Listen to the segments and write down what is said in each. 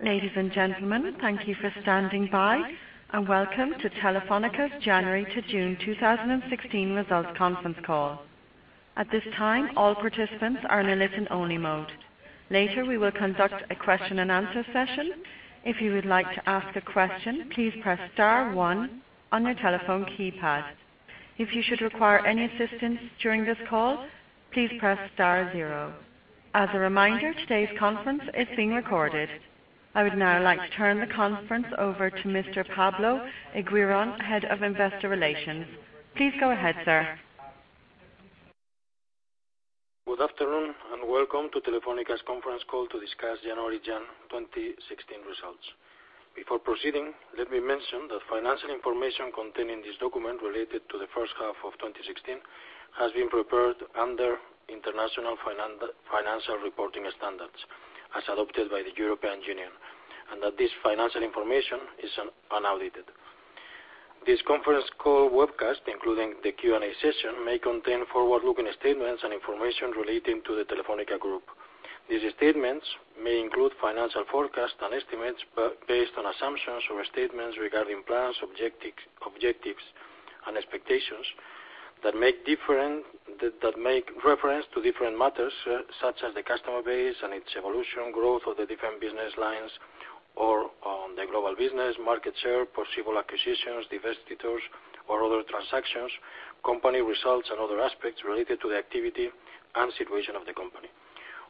Ladies and gentlemen, thank you for standing by, welcome to Telefónica January to June 2016 results conference call. At this time, all participants are in a listen-only mode. Later, we will conduct a question-and-answer session. If you would like to ask a question, please press star one on your telephone keypad. If you should require any assistance during this call, please press star zero. As a reminder, today's conference is being recorded. I would now like to turn the conference over to Mr. Pablo Eguirón, Head of Investor Relations. Please go ahead, sir. Good afternoon, welcome to Telefónica's conference call to discuss January to June 2016 results. Before proceeding, let me mention that financial information contained in this document related to the first half of 2016 has been prepared under International Financial Reporting Standards as adopted by the European Union, that this financial information is unaudited. This conference call webcast, including the Q&A session, may contain forward-looking statements and information relating to the Telefónica Group. These statements may include financial forecasts and estimates based on assumptions or statements regarding plans, objectives, and expectations that make reference to different matters, such as the customer base and its evolution, growth of the different business lines or the global business, market share, possible acquisitions, divestitures, or other transactions, company results, and other aspects related to the activity and situation of the company.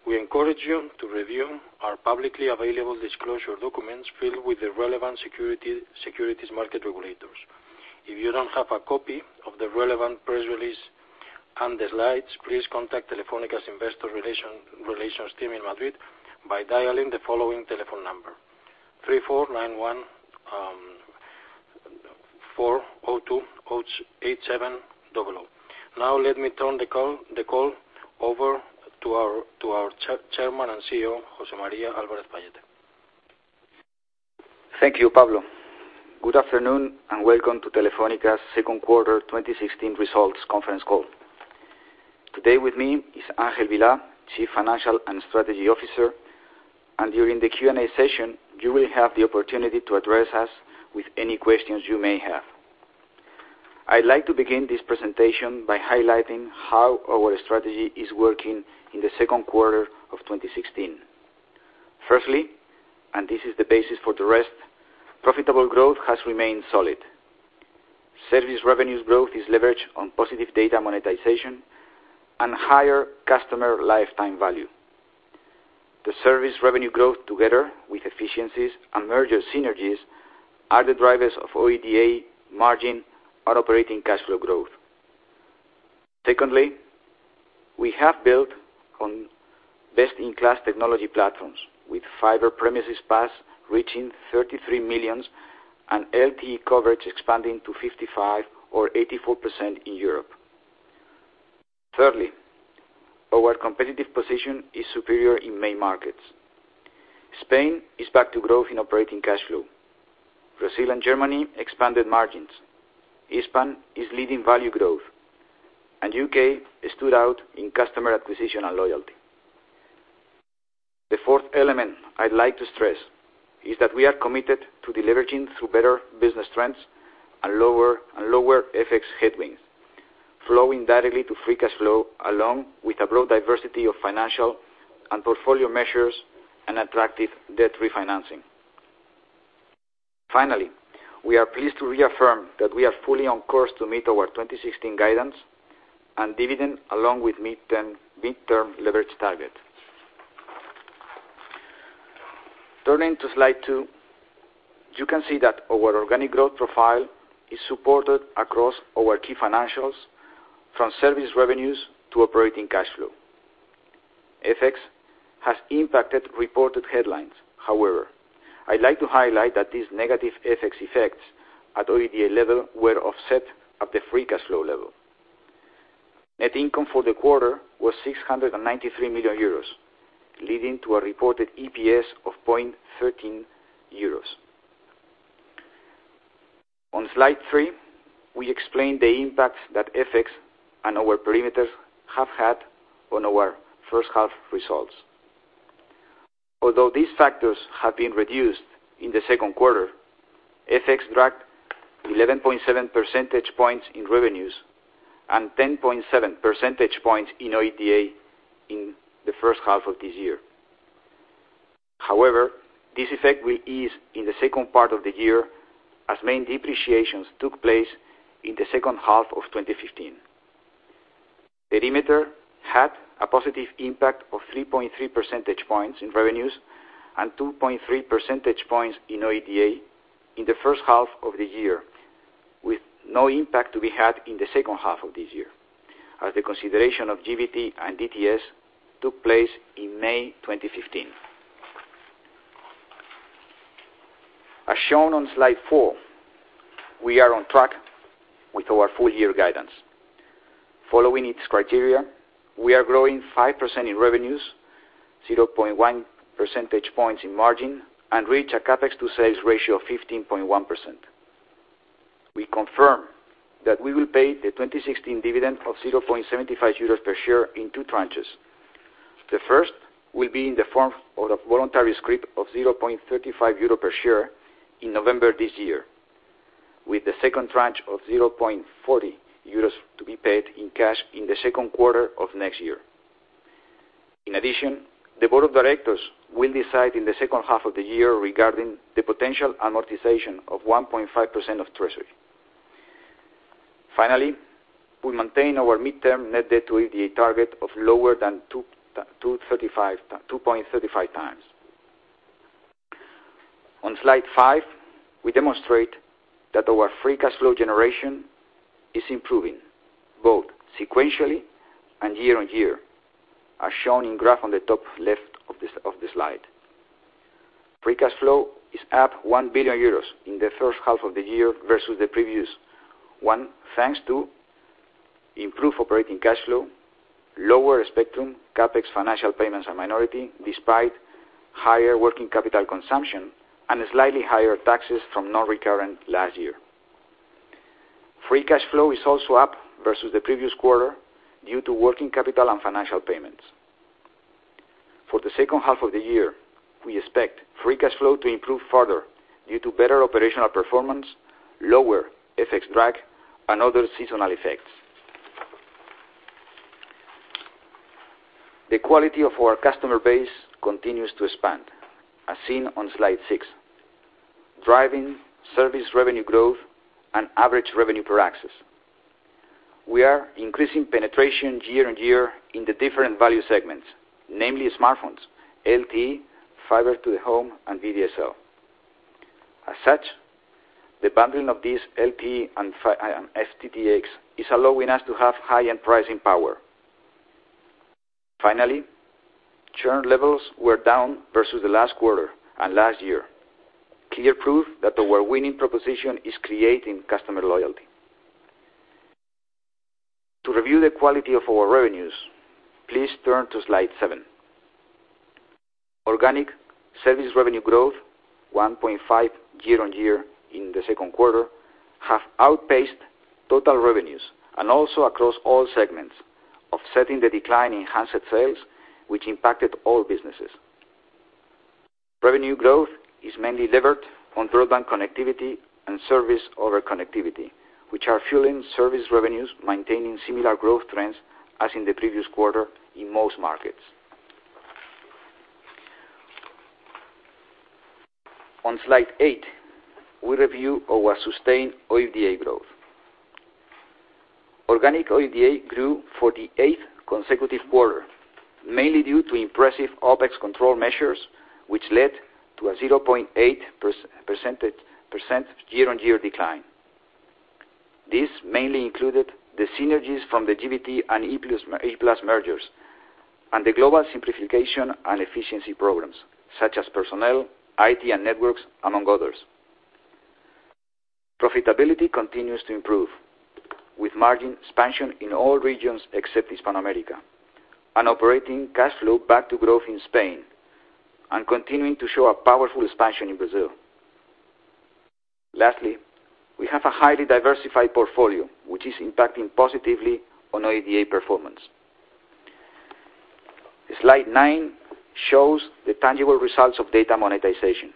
We encourage you to review our publicly available disclosure documents filed with the relevant securities market regulators. If you don't have a copy of the relevant press release and the slides, please contact Telefónica Investor Relations team in Madrid by dialing the following telephone number, 3491-402-8700. Now let me turn the call over to our Chairman and CEO, José María Álvarez-Pallete. Thank you, Pablo. Good afternoon, welcome to Telefónica's second quarter 2016 results conference call. Today with me is Ángel Vilá, Chief Financial and Strategy Officer, during the Q&A session, you will have the opportunity to address us with any questions you may have. I'd like to begin this presentation by highlighting how our strategy is working in the second quarter of 2016. Firstly, this is the basis for the rest, profitable growth has remained solid. Service revenues growth is leveraged on positive data monetization and higher customer lifetime value. The service revenue growth, together with efficiencies and merger synergies, are the drivers of OIBDA margin on operating cash flow growth. Secondly, we have built on best-in-class technology platforms with fiber premises passed reaching 33 million and LTE coverage expanding to 55% or 84% in Europe. Thirdly, our competitive position is superior in main markets. Spain is back to growth in operating cash flow. Brazil and Germany expanded margins. Hispam is leading value growth. U.K. stood out in customer acquisition and loyalty. The fourth element I'd like to stress is that we are committed to deleveraging through better business trends and lower FX headwinds, flowing directly to free cash flow, along with a broad diversity of financial and portfolio measures and attractive debt refinancing. Finally, we are pleased to reaffirm that we are fully on course to meet our 2016 guidance and dividend along with midterm leverage target. Turning to slide two, you can see that our organic growth profile is supported across our key financials from service revenues to operating cash flow. FX has impacted reported headlines. However, I'd like to highlight that these negative FX effects at OIBDA level were offset at the free cash flow level. Net income for the quarter was 693 million euros, leading to a reported EPS of 0.13 euros. On slide three, we explain the impact that FX and our perimeters have had on our first half results. Although these factors have been reduced in the second quarter, FX dragged 11.7 percentage points in revenues and 10.7 percentage points in OIBDA in the first half of this year. However, this effect will ease in the second part of the year as main depreciations took place in the second half of 2015. Perimeter had a positive impact of 3.3 percentage points in revenues and 2.3 percentage points in OIBDA in the first half of the year, with no impact to be had in the second half of this year, as the consideration of GVT and DTS took place in May 2015. As shown on slide four, we are on track with our full-year guidance. Following its criteria, we are growing 5% in revenues, 0.1 percentage points in margin, and reach a CapEx to sales ratio of 15.1%. We confirm that we will pay the 2016 dividend of 0.75 euros per share in two tranches. The first will be in the form of a voluntary scrip of 0.35 euro per share in November this year, with the second tranche of 0.40 euros to be paid in cash in the second quarter of next year. In addition, the board of directors will decide in the second half of the year regarding the potential amortization of 1.5% of treasury. Finally, we maintain our midterm net debt to EBITDA target of lower than 2.35 times. On slide five, we demonstrate that our free cash flow generation is improving both sequentially and year-on-year, as shown in graph on the top left of the slide. Free cash flow is up 1 billion euros in the first half of the year versus the previous one, thanks to improved operating cash flow, lower spectrum, CapEx, financial payments, and minority, despite higher working capital consumption and slightly higher taxes from non-recurrent last year. Free cash flow is also up versus the previous quarter due to working capital and financial payments. For the second half of the year, we expect free cash flow to improve further due to better operational performance, lower FX drag, and other seasonal effects. The quality of our customer base continues to expand, as seen on slide six, driving service revenue growth and average revenue per access. We are increasing penetration year-on-year in the different value segments, namely smartphones, LTE, fiber to the home, and VDSL. As such, the bundling of this LTE and FTTx is allowing us to have high-end pricing power. Finally, churn levels were down versus the last quarter and last year. Clear proof that our winning proposition is creating customer loyalty. To review the quality of our revenues, please turn to slide seven. Organic service revenue growth, 1.5% year-on-year in the second quarter, have outpaced total revenues, and also across all segments, offsetting the decline in handset sales, which impacted all businesses. Revenue growth is mainly levered on broadband connectivity and service over connectivity, which are fueling service revenues, maintaining similar growth trends as in the previous quarter in most markets. On slide eight, we review our sustained OIBDA growth. Organic OIBDA grew for the eighth consecutive quarter, mainly due to impressive OPEX control measures, which led to a 0.8% year-on-year decline. This mainly included the synergies from the GVT and E-Plus mergers and the global simplification and efficiency programs, such as personnel, IT and networks, among others. Profitability continues to improve, with margin expansion in all regions except Hispanoamerica, and operating cash flow back to growth in Spain, and continuing to show a powerful expansion in Brazil. Lastly, we have a highly diversified portfolio, which is impacting positively on OIBDA performance. Slide nine shows the tangible results of data monetization.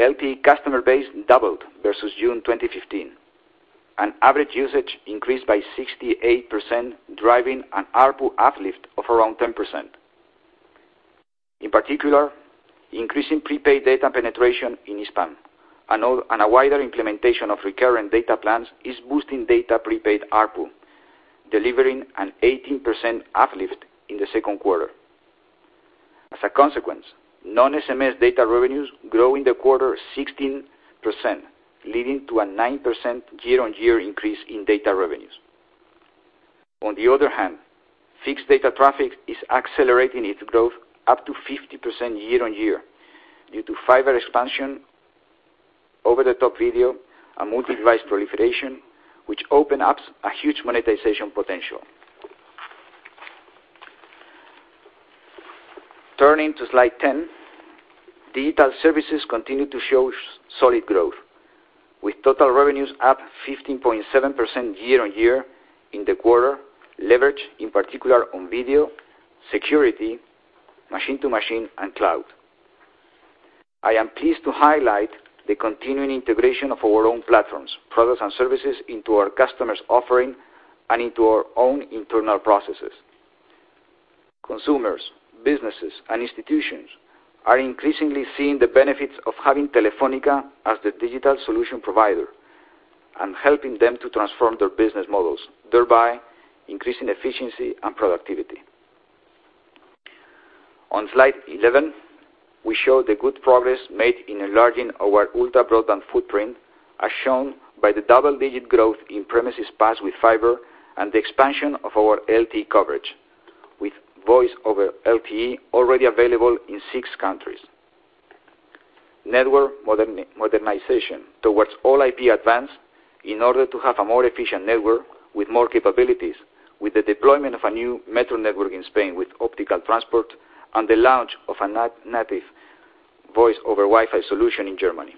LTE customer base doubled versus June 2015, and average usage increased by 68%, driving an ARPU uplift of around 10%. In particular, increasing prepaid data penetration in Hispam, and a wider implementation of recurring data plans is boosting data prepaid ARPU, delivering an 18% uplift in the second quarter. As a consequence, non-SMS data revenues grew in the quarter 16%, leading to a 9% year-on-year increase in data revenues. On the other hand, fixed data traffic is accelerating its growth up to 50% year-on-year due to fiber expansion, over-the-top video, and multi-device proliferation, which open ups a huge monetization potential. Turning to slide 10, digital services continue to show solid growth, with total revenues up 15.7% year-on-year in the quarter, leveraged in particular on video, security, machine to machine, and cloud. I am pleased to highlight the continuing integration of our own platforms, products, and services into our customers' offering and into our own internal processes. Consumers, businesses, and institutions are increasingly seeing the benefits of having Telefónica as the digital solution provider and helping them to transform their business models, thereby increasing efficiency and productivity. On slide 11, we show the good progress made in enlarging our ultra broadband footprint, as shown by the double-digit growth in premises passed with fiber and the expansion of our LTE coverage, with Voice over LTE already available in six countries. Network modernization towards All-IP Advanced, in order to have a more efficient network with more capabilities, with the deployment of a new metro network in Spain with optical transport and the launch of a native Voice over Wi-Fi solution in Germany.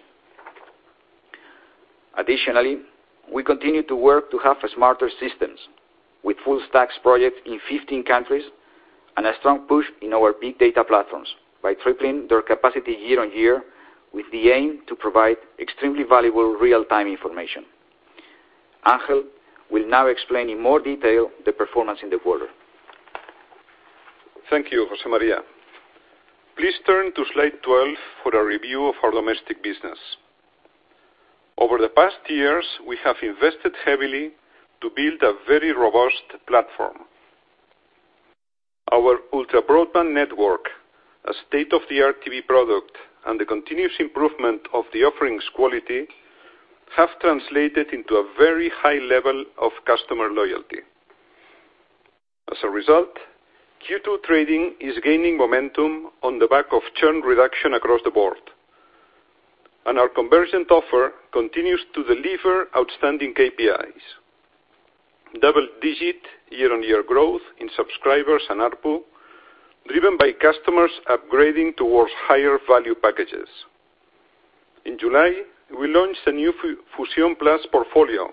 Additionally, we continue to work to have smarter systems with Full Stacks projects in 15 countries, and a strong push in our big data platforms by tripling their capacity year-on-year with the aim to provide extremely valuable real-time information. Ángel will now explain in more detail the performance in the quarter. Thank you, José María. Please turn to Slide 12 for a review of our domestic business. Over the past years, we have invested heavily to build a very robust platform. Our ultra broadband network, a state-of-the-art TV product, and the continuous improvement of the offerings' quality have translated into a very high level of customer loyalty. As a result, Q2 trading is gaining momentum on the back of churn reduction across the board. Our convergent offer continues to deliver outstanding KPIs. Double-digit year-on-year growth in subscribers and ARPU, driven by customers upgrading towards higher value packages. In July, we launched a new Fusión+ portfolio,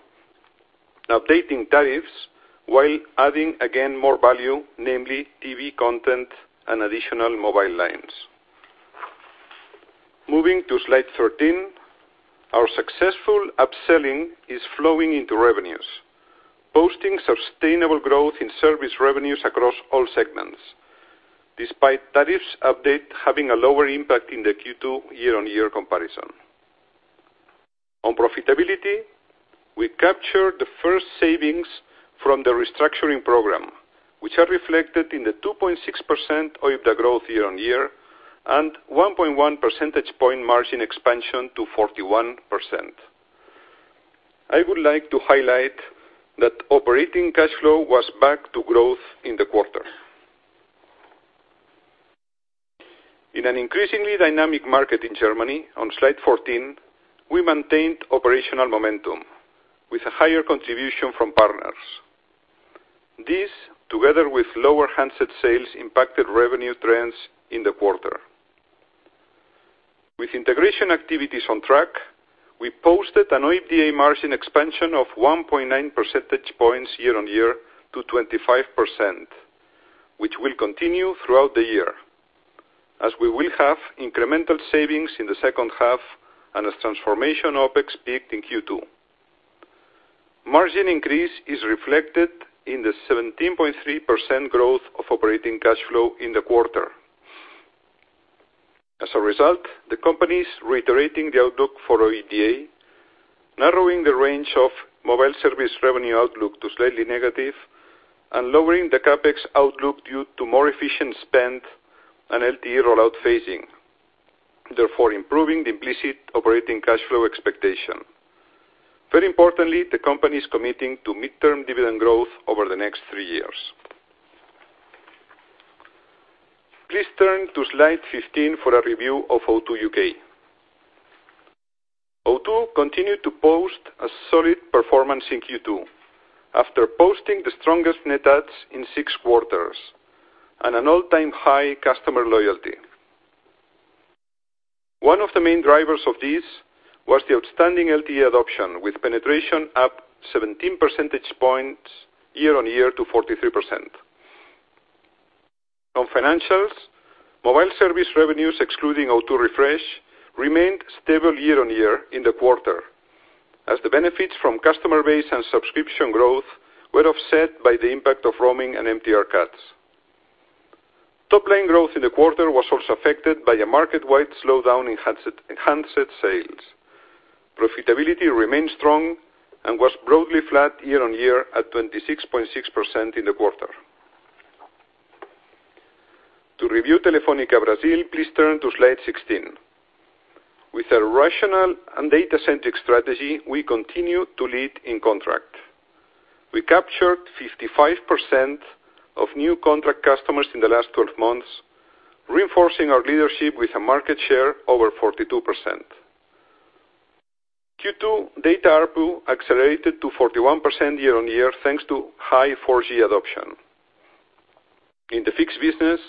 updating tariffs while adding again more value, namely TV content and additional mobile lines. Moving to Slide 13. Our successful upselling is flowing into revenues, posting sustainable growth in service revenues across all segments, despite tariffs update having a lower impact in the Q2 year-on-year comparison. On profitability, we captured the first savings from the restructuring program, which are reflected in the 2.6% OIBDA growth year-on-year, and 1.1 percentage point margin expansion to 41%. I would like to highlight that operating cash flow was back to growth in the quarter. In an increasingly dynamic market in Germany, on Slide 14, we maintained operational momentum with a higher contribution from partners. This, together with lower handset sales, impacted revenue trends in the quarter. With integration activities on track, we posted an OIBDA margin expansion of 1.9 percentage points year-on-year to 25%, which will continue throughout the year, as we will have incremental savings in the second half and as transformation OPEX peaked in Q2. Margin increase is reflected in the 17.3% growth of operating cash flow in the quarter. As a result, the company is reiterating the outlook for OIBDA, narrowing the range of mobile service revenue outlook to slightly negative, and lowering the CapEx outlook due to more efficient spend and LTE rollout phasing, therefore improving the implicit operating cash flow expectation. Very importantly, the company is committing to midterm dividend growth over the next three years. Please turn to Slide 15 for a review of O2 U.K. O2 continued to post a solid performance in Q2, after posting the strongest net adds in six quarters and an all-time high customer loyalty. One of the main drivers of this was the outstanding LTE adoption, with penetration up 17 percentage points year-on-year to 43%. On financials, mobile service revenues excluding O2 Refresh remained stable year-on-year in the quarter, as the benefits from customer base and subscription growth were offset by the impact of roaming and MTR cuts. Topline growth in the quarter was also affected by a market-wide slowdown in handset sales. Profitability remained strong and was broadly flat year-on-year at 26.6% in the quarter. To review Telefónica Brasil, please turn to Slide 16. With a rational and data-centric strategy, we continue to lead in contract. We captured 55% of new contract customers in the last 12 months, reinforcing our leadership with a market share over 42%. Q2 data ARPU accelerated to 41% year-on-year, thanks to high 4G adoption. In the fixed business,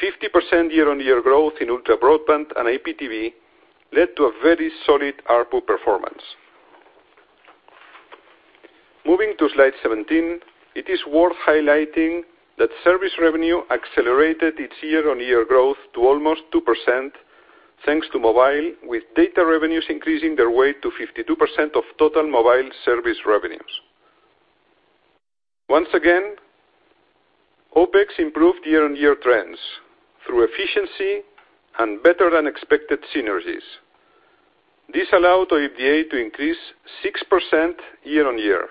50% year-on-year growth in ultra broadband and IPTV led to a very solid ARPU performance. Moving to Slide 17, it is worth highlighting that service revenue accelerated its year-on-year growth to almost 2% thanks to mobile, with data revenues increasing their weight to 52% of total mobile service revenues. Once again, OpEx improved year-on-year trends through efficiency and better than expected synergies. This allowed OIBDA to increase 6% year-on-year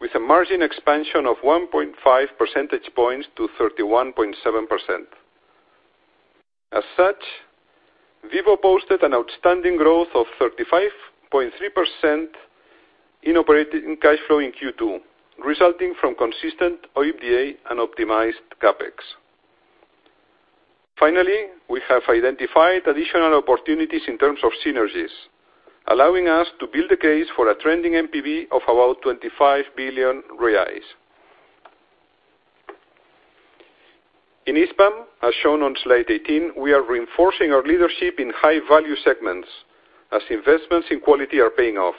with a margin expansion of 1.5 percentage points to 31.7%. As such, Vivo posted an outstanding growth of 35.3% in operating cash flow in Q2, resulting from consistent OIBDA and optimized CapEx. Finally, we have identified additional opportunities in terms of synergies, allowing us to build a case for a trending NPV of about 25 billion reais. In Hispam, as shown on slide 18, we are reinforcing our leadership in high-value segments as investments in quality are paying off.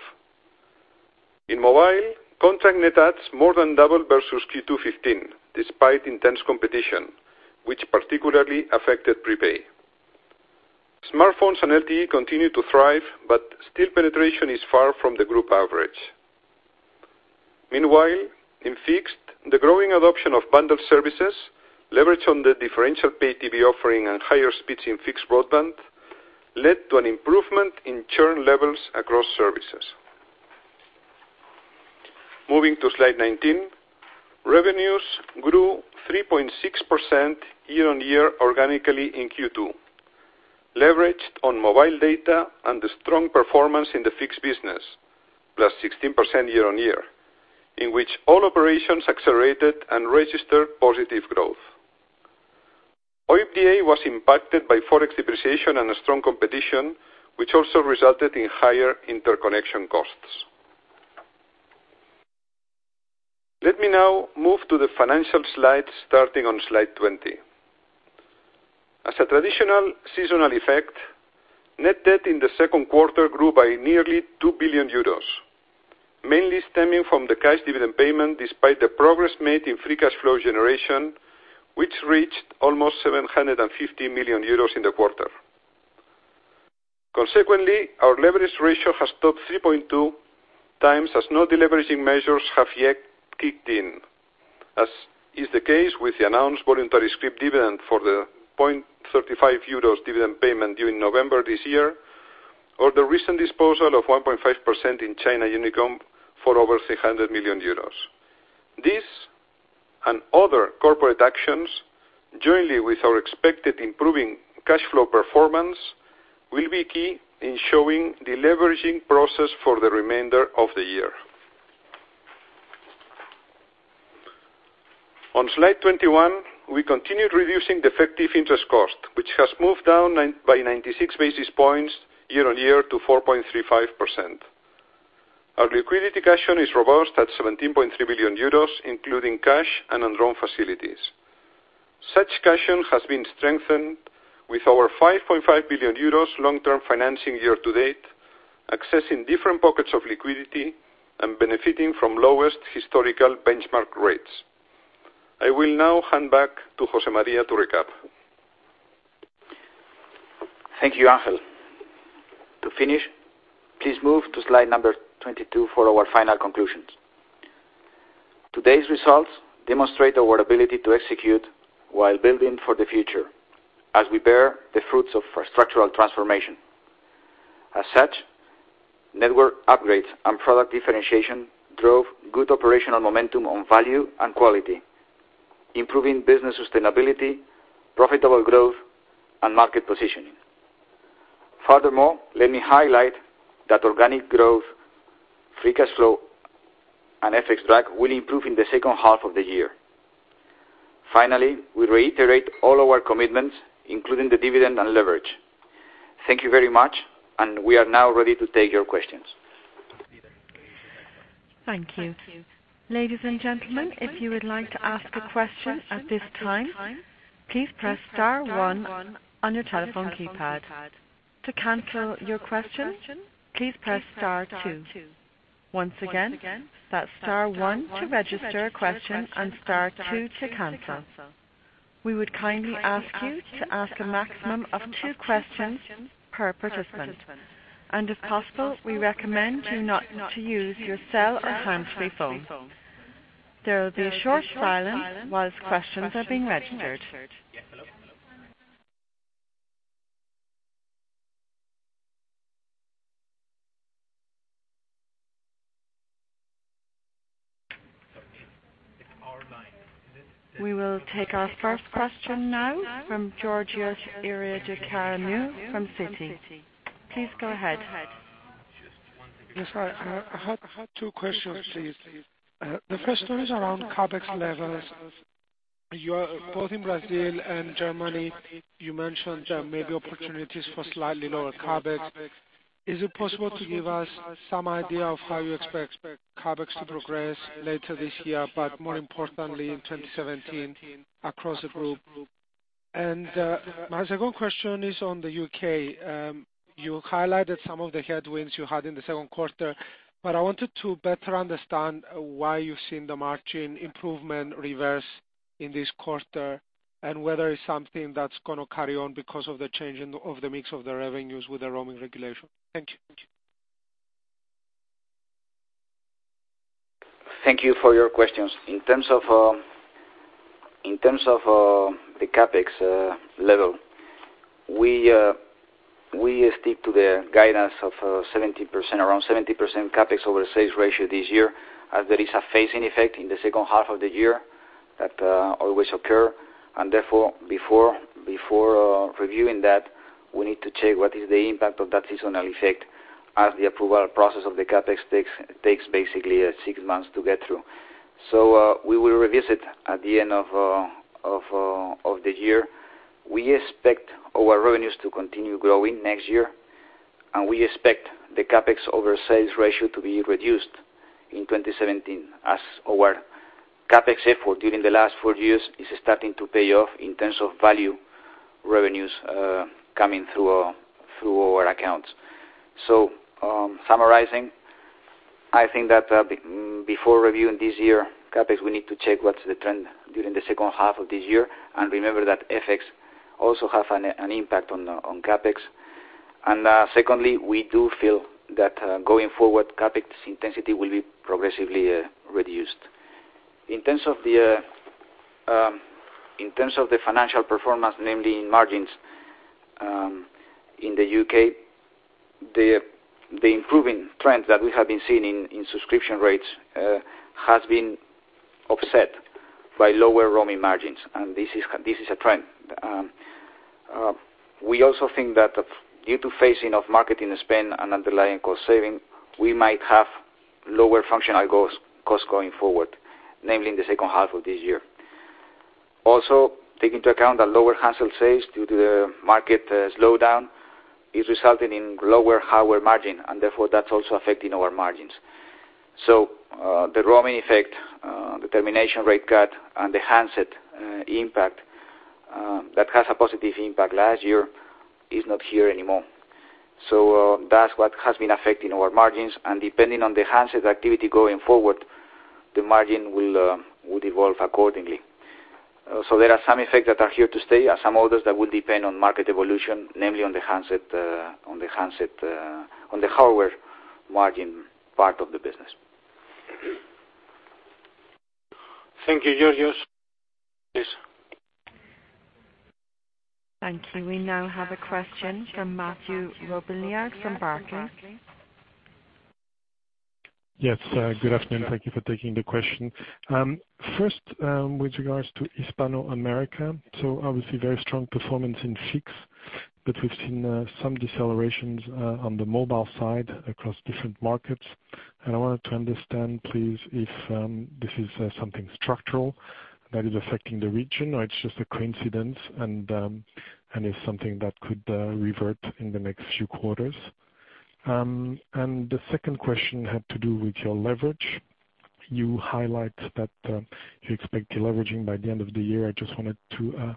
In mobile, contract net adds more than double versus Q2 2015, despite intense competition, which particularly affected prepay. Smartphones and LTE continue to thrive, but still penetration is far from the group average. Meanwhile, in fixed, the growing adoption of bundled services leveraged on the differential pay TV offering and higher speeds in fixed broadband led to an improvement in churn levels across services. Moving to slide 19. Revenues grew 3.6% year-on-year organically in Q2, leveraged on mobile data and the strong performance in the fixed business, +16% year-on-year, in which all operations accelerated and registered positive growth. OIBDA was impacted by Forex depreciation and strong competition, which also resulted in higher interconnection costs. Let me now move to the financial slides starting on slide 20. As a traditional seasonal effect, net debt in the second quarter grew by nearly 2 billion euros, mainly stemming from the cash dividend payment despite the progress made in free cash flow generation, which reached almost 750 million euros in the quarter. Consequently, our leverage ratio has topped 3.2 times as no deleveraging measures have yet kicked in, as is the case with the announced voluntary scrip dividend for the 0.35 euros dividend payment due in November this year, or the recent disposal of 1.5% in China Unicom for over 300 million euros. Other corporate actions, jointly with our expected improving cash flow performance, will be key in showing deleveraging process for the remainder of the year. On slide 21, we continued reducing the effective interest cost, which has moved down by 96 basis points year-on-year to 4.35%. Our liquidity cushion is robust at 17.3 billion euros, including cash and undrawn facilities. Such cushion has been strengthened with our 5.5 billion euros long-term financing year to date, accessing different pockets of liquidity and benefiting from lowest historical benchmark rates. I will now hand back to José María to recap. Thank you, Ángel. To finish, please move to slide number 22 for our final conclusions. Today's results demonstrate our ability to execute while building for the future as we bear the fruits of our structural transformation. As such, network upgrades and product differentiation drove good operational momentum on value and quality, improving business sustainability, profitable growth, and market positioning. Furthermore, let me highlight that organic growth, free cash flow, and FX drag will improve in the second half of the year. Finally, we reiterate all our commitments, including the dividend and leverage. Thank you very much, and we are now ready to take your questions. Thank you. Ladies and gentlemen, if you would like to ask a question at this time, please press star one on your telephone keypad. To cancel your question, please press star two. Once again, that's star one to register a question and star two to cancel. We would kindly ask you to ask a maximum of two questions per participant. If possible, we recommend you not to use your cell or hands-free phone. There will be a short silence while questions are being registered. We will take our first question now from Georgios Ierodiaconou from Citi. Please go ahead. Yes. I had two questions, please. The first one is around CapEx levels. Both in Brazil and Germany, you mentioned there may be opportunities for slightly lower CapEx. Is it possible to give us some idea of how you expect CapEx to progress later this year, but more importantly in 2017 across the group? My second question is on the U.K. You highlighted some of the headwinds you had in the second quarter, I wanted to better understand why you've seen the margin improvement reverse in this quarter and whether it's something that's going to carry on because of the change of the mix of the revenues with the roaming regulation. Thank you. Thank you for your questions. In terms of the CapEx level, we stick to the guidance of around 17% CapEx over sales ratio this year, as there is a phasing effect in the second half of the year that always occur. Therefore, before reviewing that, we need to check what is the impact of that seasonal effect as the approval process of the CapEx takes basically six months to get through. We will revisit at the end of the year. We expect our revenues to continue growing next year, we expect the CapEx over sales ratio to be reduced in 2017 as our CapEx effort during the last four years is starting to pay off in terms of value revenues coming through our accounts. Summarizing, I think that before reviewing this year's CapEx, we need to check what's the trend during the second half of this year, remember that FX also have an impact on CapEx. Secondly, we do feel that going forward, CapEx intensity will be progressively reduced. In terms of the financial performance, namely in margins, in the U.K., the improving trend that we have been seeing in subscription rates has been offset by lower roaming margins, this is a trend. We also think that due to phasing of marketing spend and underlying cost saving, we might have lower functional costs going forward, namely in the second half of this year. Also, take into account that lower handset sales due to the market slowdown is resulting in lower hardware margin, that's also affecting our margins. The roaming effect, the termination rate cut, the handset impact that had a positive impact last year is not here anymore. That's what has been affecting our margins. Depending on the handset activity going forward, the margin would evolve accordingly. There are some effects that are here to stay, some others that will depend on market evolution, namely on the hardware margin part of the business. Thank you, Georgios. Please. Thank you. We now have a question from Mathieu Robilliard from Barclays. Yes. Good afternoon. Thank you for taking the question. First, with regards to Hispanoamerica, obviously very strong performance in fixed, but we've seen some decelerations on the mobile side across different markets. I wanted to understand, please, if this is something structural that is affecting the region, or it's just a coincidence, and it's something that could revert in the next few quarters. The second question had to do with your leverage. You highlight that you expect deleveraging by the end of the year. I just wanted to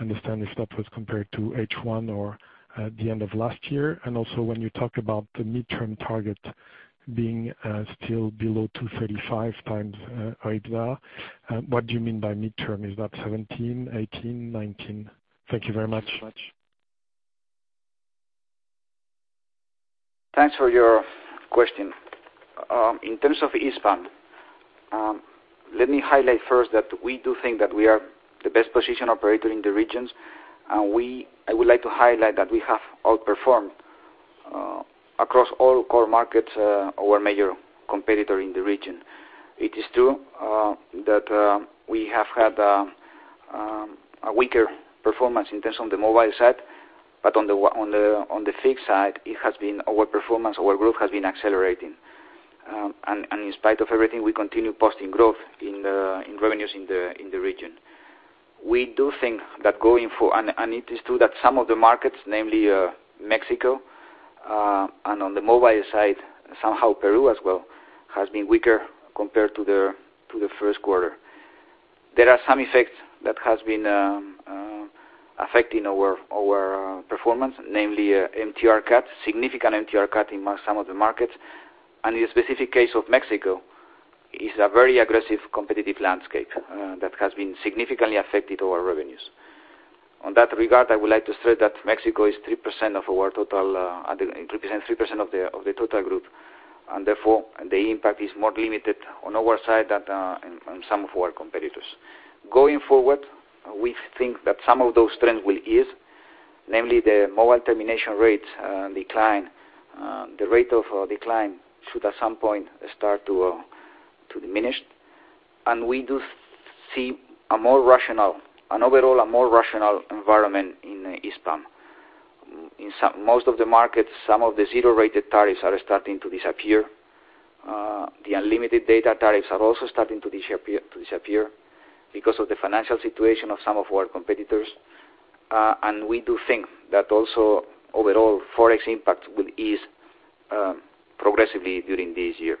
understand if that was compared to H1 or the end of last year. Also, when you talk about the midterm target being still below 2.35 times EBITDA, what do you mean by midterm? Is that 2017, 2018, 2019? Thank you very much. Thanks for your question. In terms of Hispam, let me highlight first that we do think that we are the best-positioned operator in the regions. I would like to highlight that we have outperformed across all core markets our major competitor in the region. It is true that we have had a weaker performance in terms on the mobile side, but on the fixed side, our performance, our growth has been accelerating. In spite of everything, we continue posting growth in revenues in the region. It is true that some of the markets, namely Mexico, and on the mobile side, somehow Peru as well, have been weaker compared to the first quarter. There are some effects that have been affecting our performance, namely MTR cuts, significant MTR cuts in some of the markets. In the specific case of Mexico, it's a very aggressive competitive landscape that has significantly affected our revenues. On that regard, I would like to state that Mexico represents 3% of the total group, and therefore the impact is more limited on our side than on some of our competitors. Going forward, we think that some of those trends will ease, namely the mobile termination rates decline. The rate of decline should at some point start to diminish. We do see an overall more rational environment in Hispam. In most of the markets, some of the zero-rated tariffs are starting to disappear. The unlimited data tariffs are also starting to disappear because of the financial situation of some of our competitors. We do think that also overall, Forex impact will ease progressively during this year.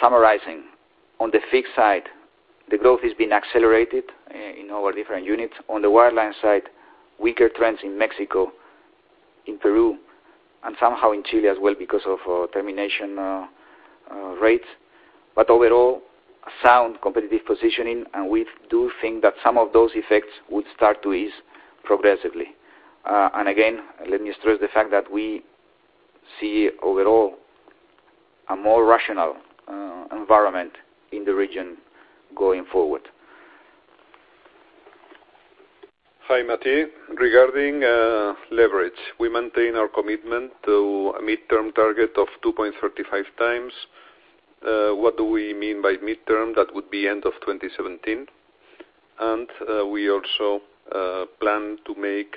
Summarizing, on the fixed side, the growth has been accelerated in our different units. On the wireline side, weaker trends in Mexico, in Peru, and somehow in Chile as well because of termination rates. Overall, sound competitive positioning, we do think that some of those effects would start to ease progressively. Again, let me stress the fact that we see overall a more rational environment in the region going forward. Hi, Mathieu. Regarding leverage, we maintain our commitment to a midterm target of 2.35x. What do we mean by midterm? That would be end of 2017. We also plan to make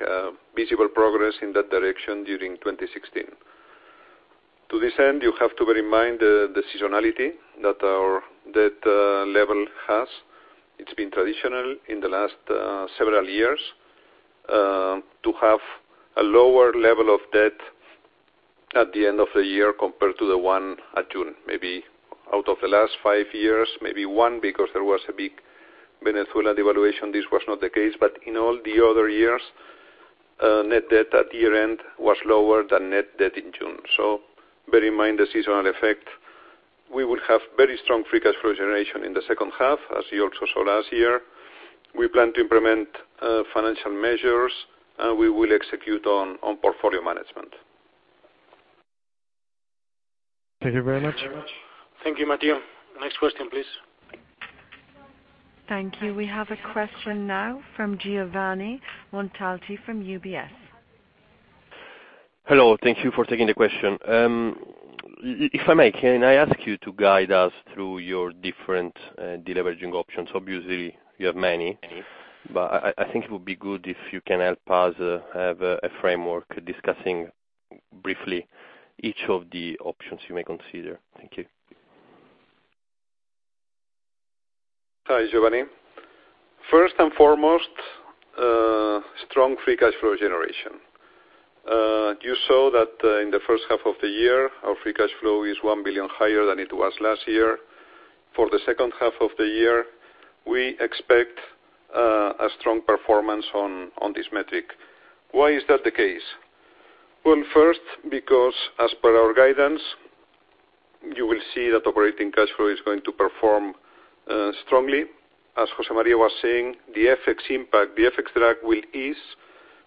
visible progress in that direction during 2016. To this end, you have to bear in mind the seasonality that our debt level has. It's been traditional in the last several years to have a lower level of debt at the end of the year compared to the one at June. Maybe out of the last five years, maybe one, because there was a big Venezuela devaluation, this was not the case. In all the other years, net debt at year-end was lower than net debt in June. Bear in mind the seasonal effect. We will have very strong free cash flow generation in the second half, as you also saw last year. We plan to implement financial measures, we will execute on portfolio management. Thank you very much. Thank you, Mathieu. Next question, please. Thank you. We have a question now from Giovanni Montalti from UBS. Hello. Thank you for taking the question. If I may, can I ask you to guide us through your different deleveraging options? Obviously, you have many, but I think it would be good if you can help us have a framework discussing briefly each of the options you may consider. Thank you. Hi, Giovanni. First and foremost, strong free cash flow generation. You saw that in the first half of the year, our free cash flow is 1 billion higher than it was last year. For the second half of the year, we expect a strong performance on this metric. Why is that the case? Well, first, because as per our guidance, you will see that operating cash flow is going to perform strongly. As José María was saying, the FX impact, the FX drag will ease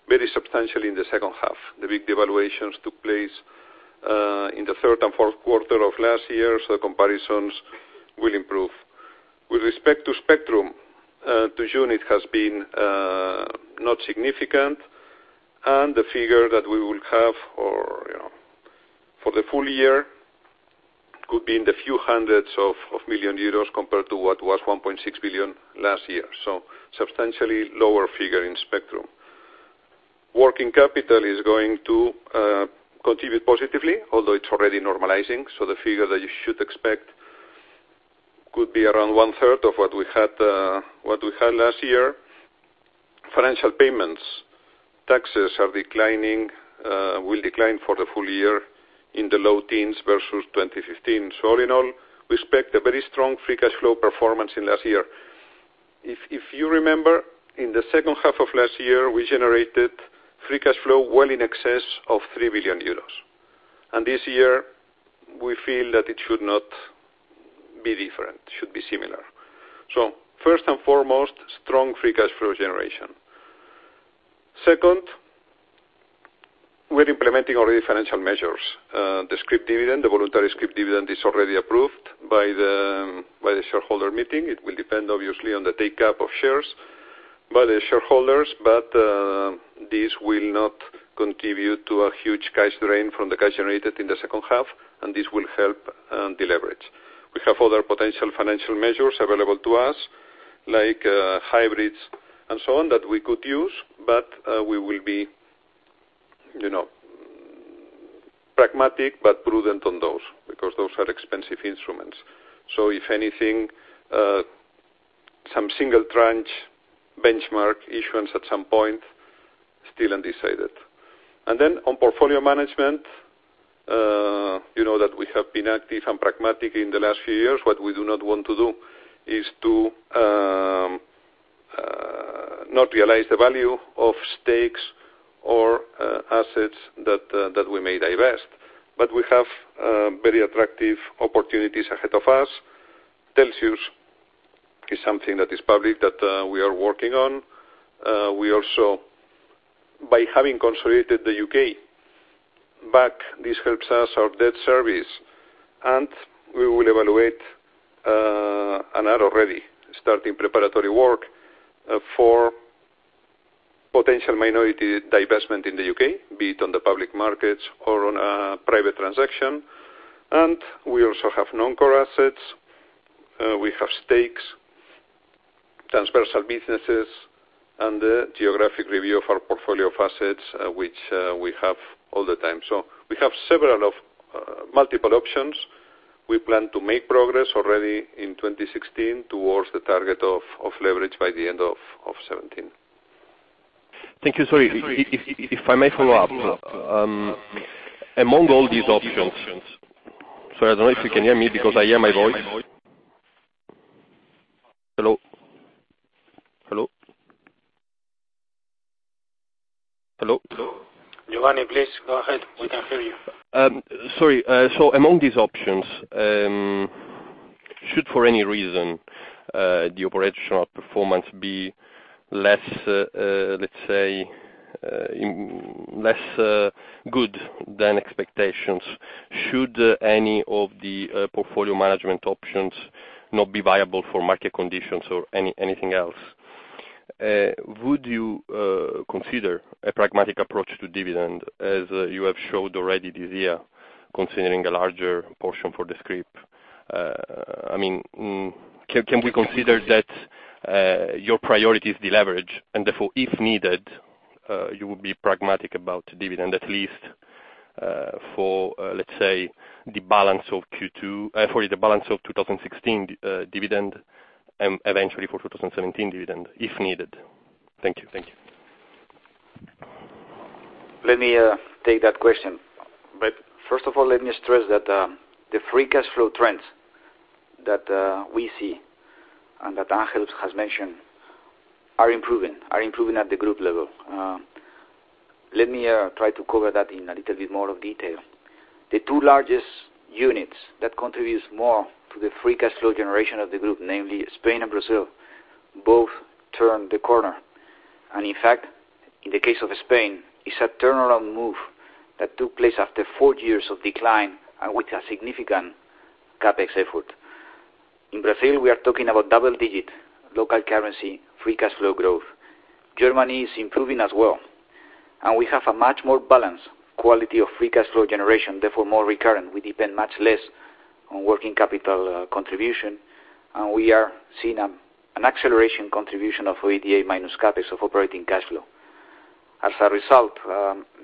very substantially in the second half. The big devaluations took place in the third and fourth quarter of last year, so comparisons will improve. With respect to spectrum, to June it has been not significant, and the figure that we will have for the full year could be in the few hundreds of million euros compared to what was 1.6 billion last year. Substantially lower figure in spectrum. Working capital is going to contribute positively, although it's already normalizing. The figure that you should expect could be around one third of what we had last year. Financial payments, taxes are declining, will decline for the full year in the low teens versus 2015. All in all, we expect a very strong free cash flow performance in last year. If you remember, in the second half of last year, we generated free cash flow well in excess of 3 billion euros. This year, we feel that it should not be different, should be similar. First and foremost, strong free cash flow generation. Second, we're implementing already financial measures. The scrip dividend, the voluntary scrip dividend is already approved by the shareholder meeting. It will depend, obviously, on the take-up of shares by the shareholders, but this will not contribute to a huge cash drain from the cash generated in the second half, and this will help deleverage. We have other potential financial measures available to us, like hybrids and so on, that we could use, but we will be pragmatic but prudent on those because those are expensive instruments. If anything, some single tranche benchmark issuance at some point, still undecided. On portfolio management, you know that we have been active and pragmatic in the last few years. What we do not want to do is to not realize the value of stakes or assets that we may divest. We have very attractive opportunities ahead of us. Telxius is something that is public that we are working on. We also, by having consolidated the U.K. back, this helps us our debt service. We will evaluate another already starting preparatory work for potential minority divestment in the U.K., be it on the public markets or on a private transaction. We also have non-core assets. We have stakes, transversal businesses, and the geographic review of our portfolio of assets, which we have all the time. We have multiple options. We plan to make progress already in 2016 towards the target of leverage by the end of 2017. Thank you. Sorry, if I may follow up. Among all these options, I don't know if you can hear me because I hear my voice. Hello? Giovanni, please go ahead. We can hear you. Sorry. Among these options, should for any reason the operational performance be, let's say, less good than expectations, should any of the portfolio management options not be viable for market conditions or anything else? Would you consider a pragmatic approach to dividend as you have showed already this year, considering a larger portion for the scrip? Can we consider that your priority is the leverage, and therefore, if needed, you will be pragmatic about dividend, at least for, let's say, the balance of 2016 dividend and eventually for 2017 dividend if needed? Thank you. Let me take that question. First of all, let me stress that the free cash flow trends that we see, and that Ángel has mentioned, are improving at the group level. Let me try to cover that in a little bit more of detail. The two largest units that contributes more to the free cash flow generation of the group, namely Spain and Brazil, both turned the corner. In fact, in the case of Spain, it's a turnaround move that took place after four years of decline and with a significant CapEx effort. In Brazil, we are talking about double digit local currency, free cash flow growth. Germany is improving as well. We have a much more balanced quality of free cash flow generation, therefore more recurrent. We depend much less on working capital contribution. We are seeing an acceleration contribution of OIBDA minus CapEx of operating cash flow. As a result,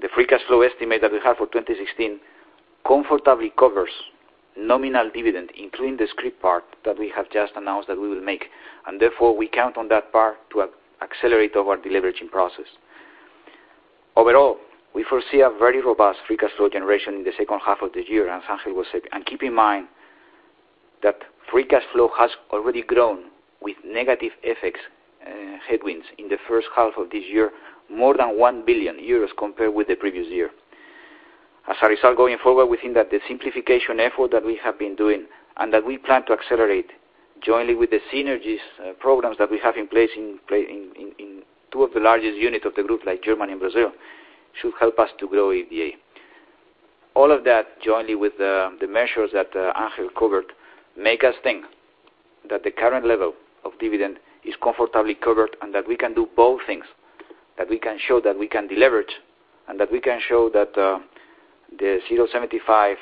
the free cash flow estimate that we have for 2016 comfortably covers nominal dividend, including the scrip part that we have just announced that we will make, and therefore we count on that part to accelerate our deleveraging process. Overall, we foresee a very robust free cash flow generation in the second half of the year, as Ángel was saying. Keep in mind that free cash flow has already grown with negative FX headwinds in the first half of this year, more than 1 billion euros compared with the previous year. As a result, going forward, we think that the simplification effort that we have been doing and that we plan to accelerate jointly with the synergies programs that we have in place in two of the largest units of the group, like Germany and Brazil, should help us to grow OIBDA. All of that, jointly with the measures that Ángel covered, make us think that the current level of dividend is comfortably covered and that we can do both things, that we can show that we can deleverage, and that we can show that the 0.75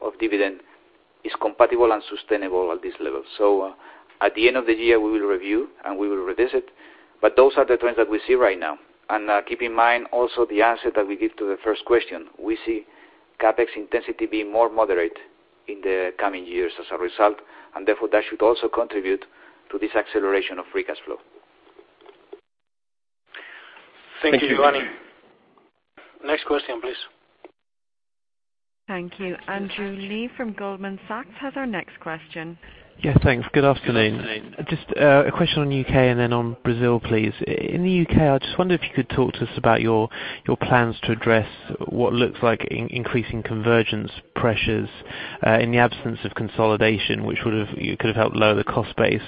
of dividend is compatible and sustainable at this level. At the end of the year, we will review, and we will revisit, but those are the trends that we see right now. Keep in mind also the answer that we give to the first question. We see CapEx intensity being more moderate in the coming years as a result, therefore that should also contribute to this acceleration of free cash flow. Thank you, Giovanni. Next question, please. Thank you. Andrew Lee from Goldman Sachs has our next question. Yes, thanks. Good afternoon. Just a question on U.K. and then on Brazil, please. In the U.K., I just wonder if you could talk to us about your plans to address what looks like increasing convergence pressures, in the absence of consolidation, which could have helped lower the cost base.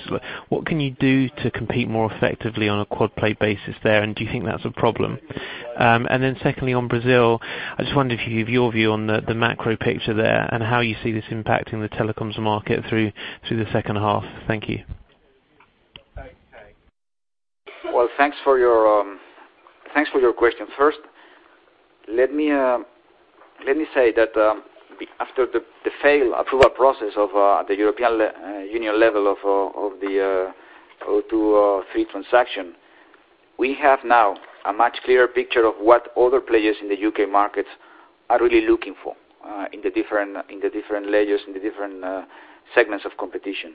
What can you do to compete more effectively on a quad-play basis there, and do you think that's a problem? Secondly, on Brazil, I just wonder if you give your view on the macro picture there and how you see this impacting the telecoms market through the second half. Thank you. Well, thanks for your question. First, let me say that after the failed approval process of the European Union level of the O2 Three transaction, we have now a much clearer picture of what other players in the U.K. markets are really looking for in the different layers, in the different segments of competition.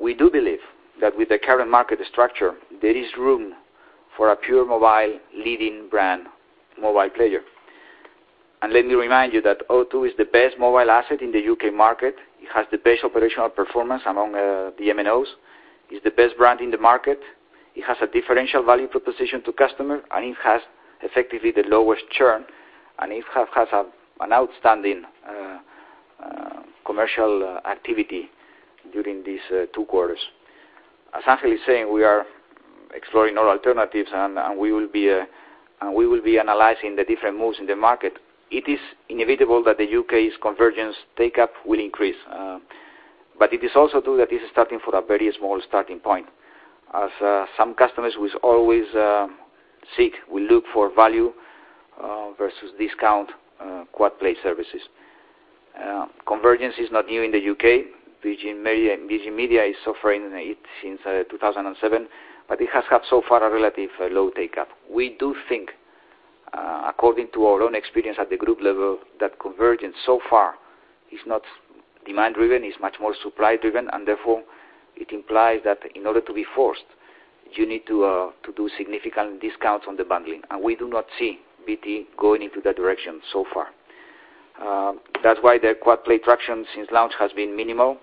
We do believe that with the current market structure, there is room for a pure mobile leading brand mobile player. Let me remind you that O2 is the best mobile asset in the U.K. market. It has the best operational performance among the MNOs, is the best brand in the market. It has a differential value proposition to customer, it has effectively the lowest churn, and it has an outstanding commercial activity during these two quarters. As Ángel is saying, we are exploring all alternatives, and we will be analyzing the different moves in the market. It is inevitable that the U.K.'s convergence take-up will increase. It is also true that this is starting from a very small starting point, as some customers will always seek, will look for value versus discount quad-play services. Convergence is not new in the U.K. Virgin Media is offering it since 2007, but it has had so far a relative low take-up. We do think, according to our own experience at the group level, that convergence so far is not demand-driven, is much more supply-driven, and therefore it implies that in order to be forced, you need to do significant discounts on the bundling. We do not see BT going into that direction so far. That's why their quad-play traction since launch has been minimal.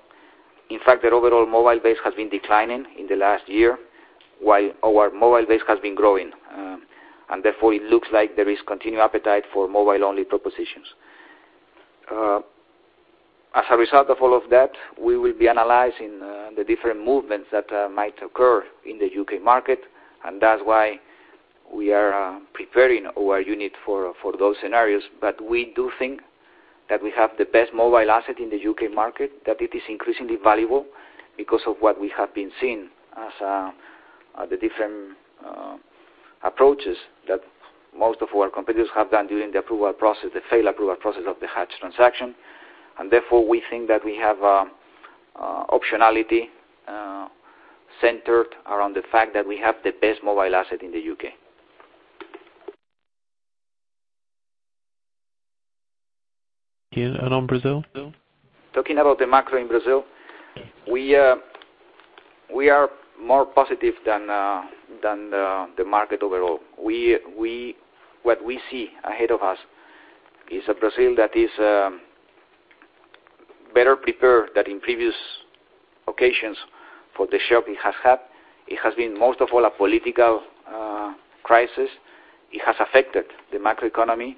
In fact, their overall mobile base has been declining in the last year, while our mobile base has been growing. Therefore, it looks like there is continued appetite for mobile-only propositions. As a result of all of that, we will be analyzing the different movements that might occur in the U.K. market, and that's why we are preparing our unit for those scenarios. But we do think that we have the best mobile asset in the U.K. market, that it is increasingly valuable because of what we have been seeing as the different approaches that most of our competitors have done during the failed approval process of the Hutchison transaction. Therefore, we think that we have optionality centered around the fact that we have the best mobile asset in the U.K. Thank you. On Brazil? Talking about the macro in Brazil, we are more positive than the market overall. What we see ahead of us is a Brazil that is better prepared than in previous occasions for the shock it has had. It has been most of all, a political crisis. It has affected the macroeconomy,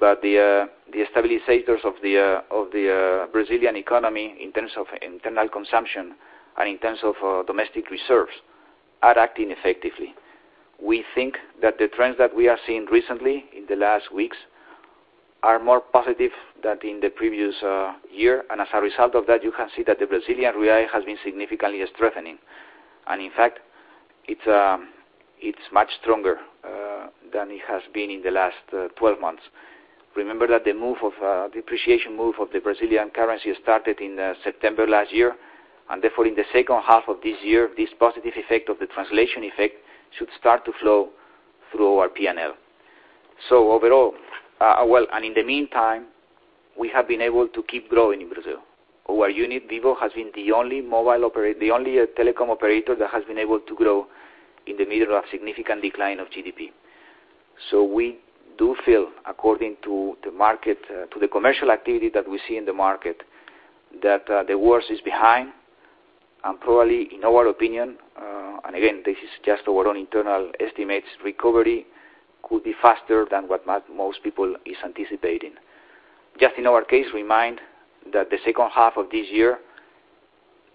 but the stabilizers of the Brazilian economy in terms of internal consumption and in terms of domestic reserves are acting effectively. We think that the trends that we are seeing recently in the last weeks are more positive than in the previous year. As a result of that, you can see that the Brazilian real has been significantly strengthening. In fact, it's much stronger than it has been in the last 12 months. Remember that the depreciation move of the Brazilian currency started in September last year, therefore in the second half of this year, this positive effect of the translation effect should start to flow through our P&L. In the meantime, we have been able to keep growing in Brazil. Our unit, Vivo, has been the only telecom operator that has been able to grow in the middle of significant decline of GDP. We do feel, according to the commercial activity that we see in the market, that the worst is behind and probably, in our opinion, and again, this is just our own internal estimates, recovery could be faster than what most people is anticipating. In our case, remind that the second half of this year,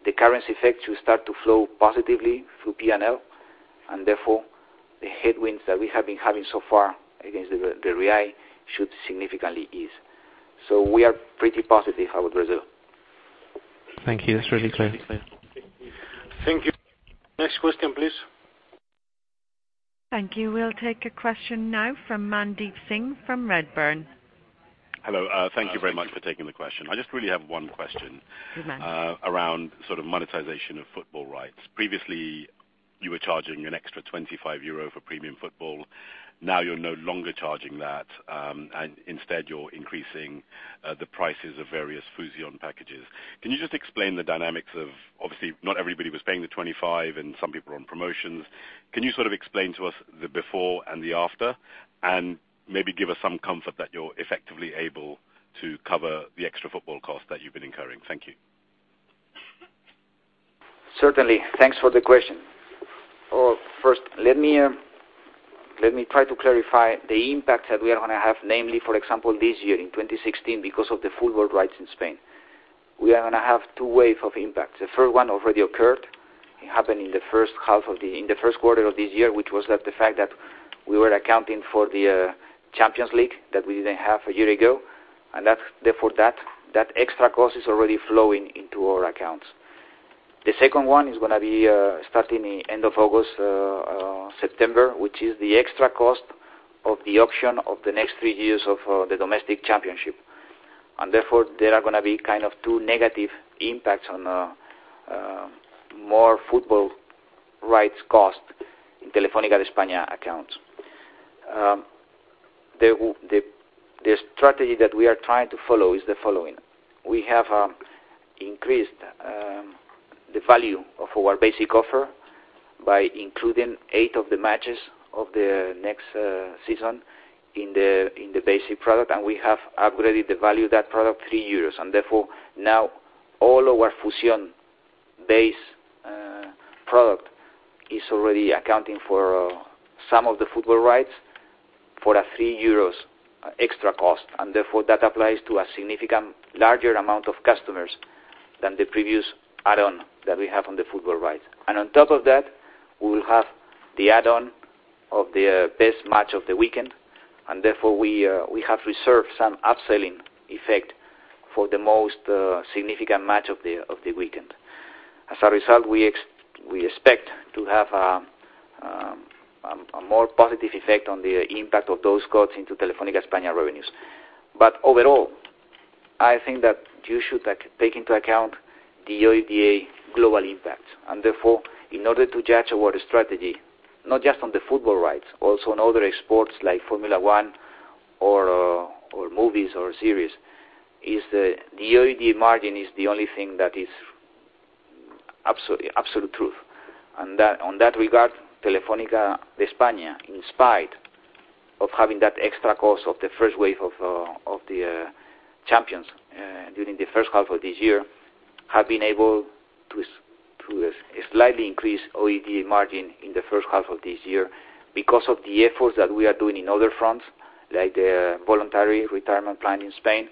the currency effect should start to flow positively through P&L, therefore the headwinds that we have been having so far against the real should significantly ease. We are pretty positive about Brazil. Thank you. That's really clear. Thank you. Next question, please. Thank you. We'll take a question now from Mandeep Singh from Redburn. Hello. Thank you very much for taking the question. I just really have one question. Yes, Mandeep. Around monetization of football rights. Previously, you were charging an extra 25 euro for premium football. Now you're no longer charging that, and instead you're increasing the prices of various Fusión packages. Can you just explain the dynamics of, obviously not everybody was paying the 25, and some people are on promotions. Can you explain to us the before and the after, and maybe give us some comfort that you're effectively able to cover the extra football cost that you've been incurring? Thank you. Certainly. Thanks for the question. First, let me try to clarify the impact that we are going to have, namely, for example, this year in 2016, because of the football rights in Spain. We are going to have two wave of impacts. The first one already occurred. It happened in the first quarter of this year, which was that the fact that we were accounting for the Champions League that we didn't have a year ago, and therefore that extra cost is already flowing into our accounts. The second one is going to be starting end of August, September, which is the extra cost of the auction of the next three years of the domestic championship. Therefore, there are going to be two negative impacts on more football rights cost in Telefónica de España accounts. The strategy that we are trying to follow is the following. We have increased the value of our basic offer by including eight of the matches of the next season in the basic product. We have upgraded the value of that product 3 euros. Therefore, now all our Fusión base product is already accounting for some of the football rights for a 3 euros extra cost, and therefore that applies to a significant larger amount of customers than the previous add-on that we have on the football rights. On top of that, we will have the add-on of the best match of the weekend, and therefore we have reserved some upselling effect for the most significant match of the weekend. As a result, we expect to have a more positive effect on the impact of those costs into Telefónica España revenues. Overall, I think that you should take into account the OIBDA global impact, and therefore, in order to judge our strategy, not just on the football rights, also on other sports like Formula One or movies or series, is the OIBDA margin is the only thing that is absolute truth. On that regard, Telefónica de España, in spite of having that extra cost of the first wave of the Champions League during the first half of this year, have been able to slightly increase OIBDA margin in the first half of this year because of the efforts that we are doing in other fronts, like the voluntary retirement plan in Spain,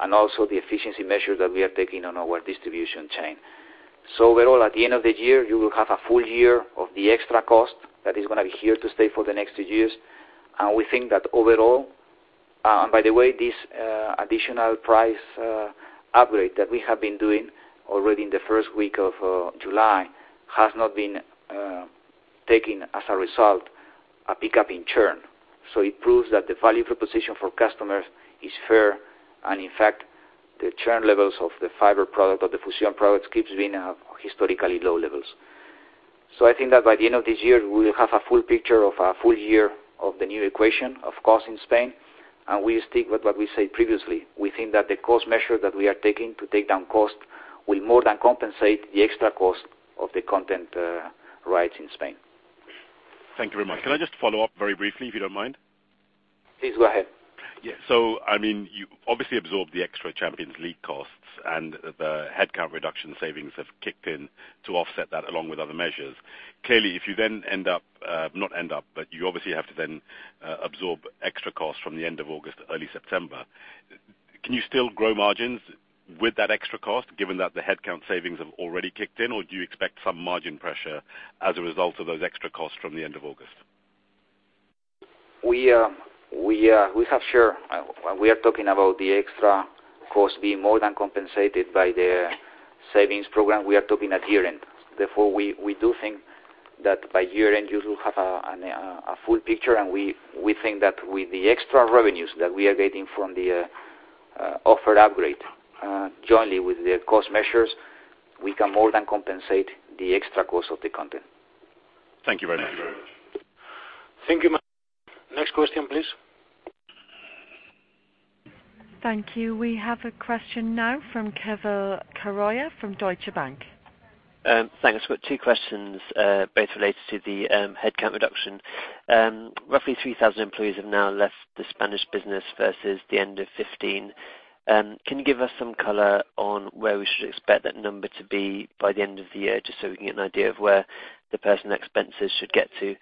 and also the efficiency measures that we are taking on our distribution chain. Overall, at the end of the year, you will have a full year of the extra cost that is going to be here to stay for the next 2 years. By the way, this additional price upgrade that we have been doing already in the first week of July has not been taken as a result, a pickup in churn. It proves that the value proposition for customers is fair, and in fact, the churn levels of the fiber product or the Fusión products keeps being historically low levels. I think that by the end of this year, we will have a full picture of a full year of the new equation, of cost in Spain, and we stick with what we said previously. We think that the cost measures that we are taking to take down cost will more than compensate the extra cost of the content rights in Spain. Thank you very much. Can I just follow up very briefly, if you don't mind? Please go ahead. Yeah. You obviously absorbed the extra Champions League costs and the headcount reduction savings have kicked in to offset that along with other measures. Clearly, if you then end up, but you obviously have to then absorb extra cost from the end of August, early September, can you still grow margins with that extra cost given that the headcount savings have already kicked in? Or do you expect some margin pressure as a result of those extra costs from the end of August? When we are talking about the extra cost being more than compensated by the savings program, we are talking at year-end. We do think that by year-end, you will have a full picture, we think that with the extra revenues that we are getting from the offer upgrade, jointly with the cost measures, we can more than compensate extra cost of the content. Thank you very much. Thank you Mandeep. Next question, please. Thank you. We have a question now from Keval Khiroya from Deutsche Bank. Thanks. I've got two questions, both related to the headcount reduction. Roughly 3,000 employees have now left the Spanish business versus the end of 2015. Can you give us some color on where we should expect that number to be by the end of the year, just so we can get an idea of where the person expenses should get to?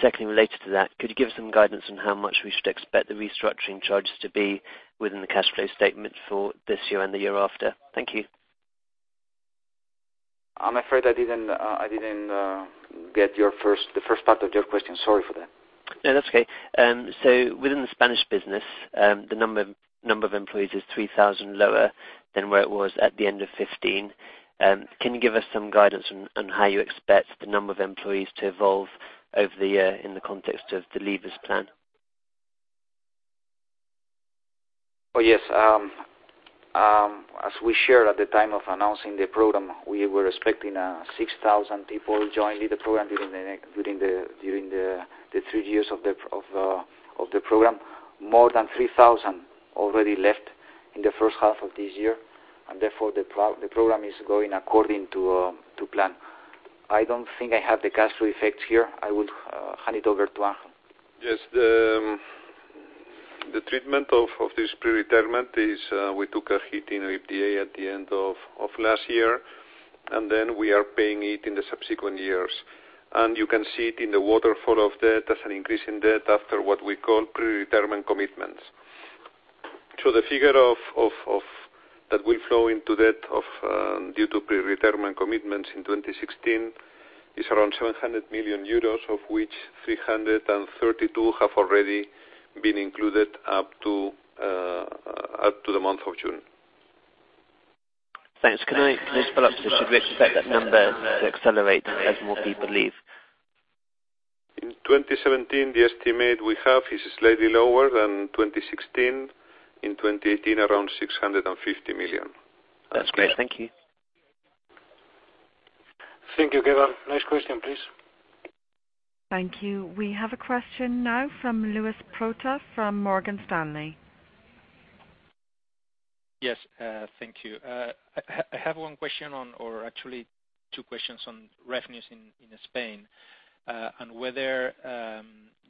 Secondly, related to that, could you give some guidance on how much we should expect the restructuring charges to be within the cash flow statement for this year and the year after? Thank you. I'm afraid I didn't get the first part of your question. Sorry for that. No, that's okay. Within the Spanish business, the number of employees is 3,000 lower than where it was at the end of 2015. Can you give us some guidance on how you expect the number of employees to evolve over the year in the context of the leavers plan? Oh, yes. As we shared at the time of announcing the program, we were expecting 6,000 people joining the program during the three years of the program. More than 3,000 already left in the first half of this year, therefore the program is going according to plan. I don't think I have the cash flow effects here. I would hand it over to Juan. Yes. The treatment of this pre-retirement is we took a hit in our EBITDA at the end of last year. We are paying it in the subsequent years. You can see it in the waterfall of debt as an increase in debt after what we call pre-retirement commitments. The figure that will flow into debt due to pre-retirement commitments in 2016 is around 700 million euros, of which 332 have already been included up to the month of June. Thanks. Can I just follow up? Should we expect that number to accelerate as more people leave? In 2017, the estimate we have is slightly lower than 2016. In 2018, around 650 million. That's clear. Thank you. Thank you, Keval. Next question, please. Thank you. We have a question now from Luis Prota from Morgan Stanley. Yes. Thank you. I have one question on, or actually two questions on revenues in Spain, whether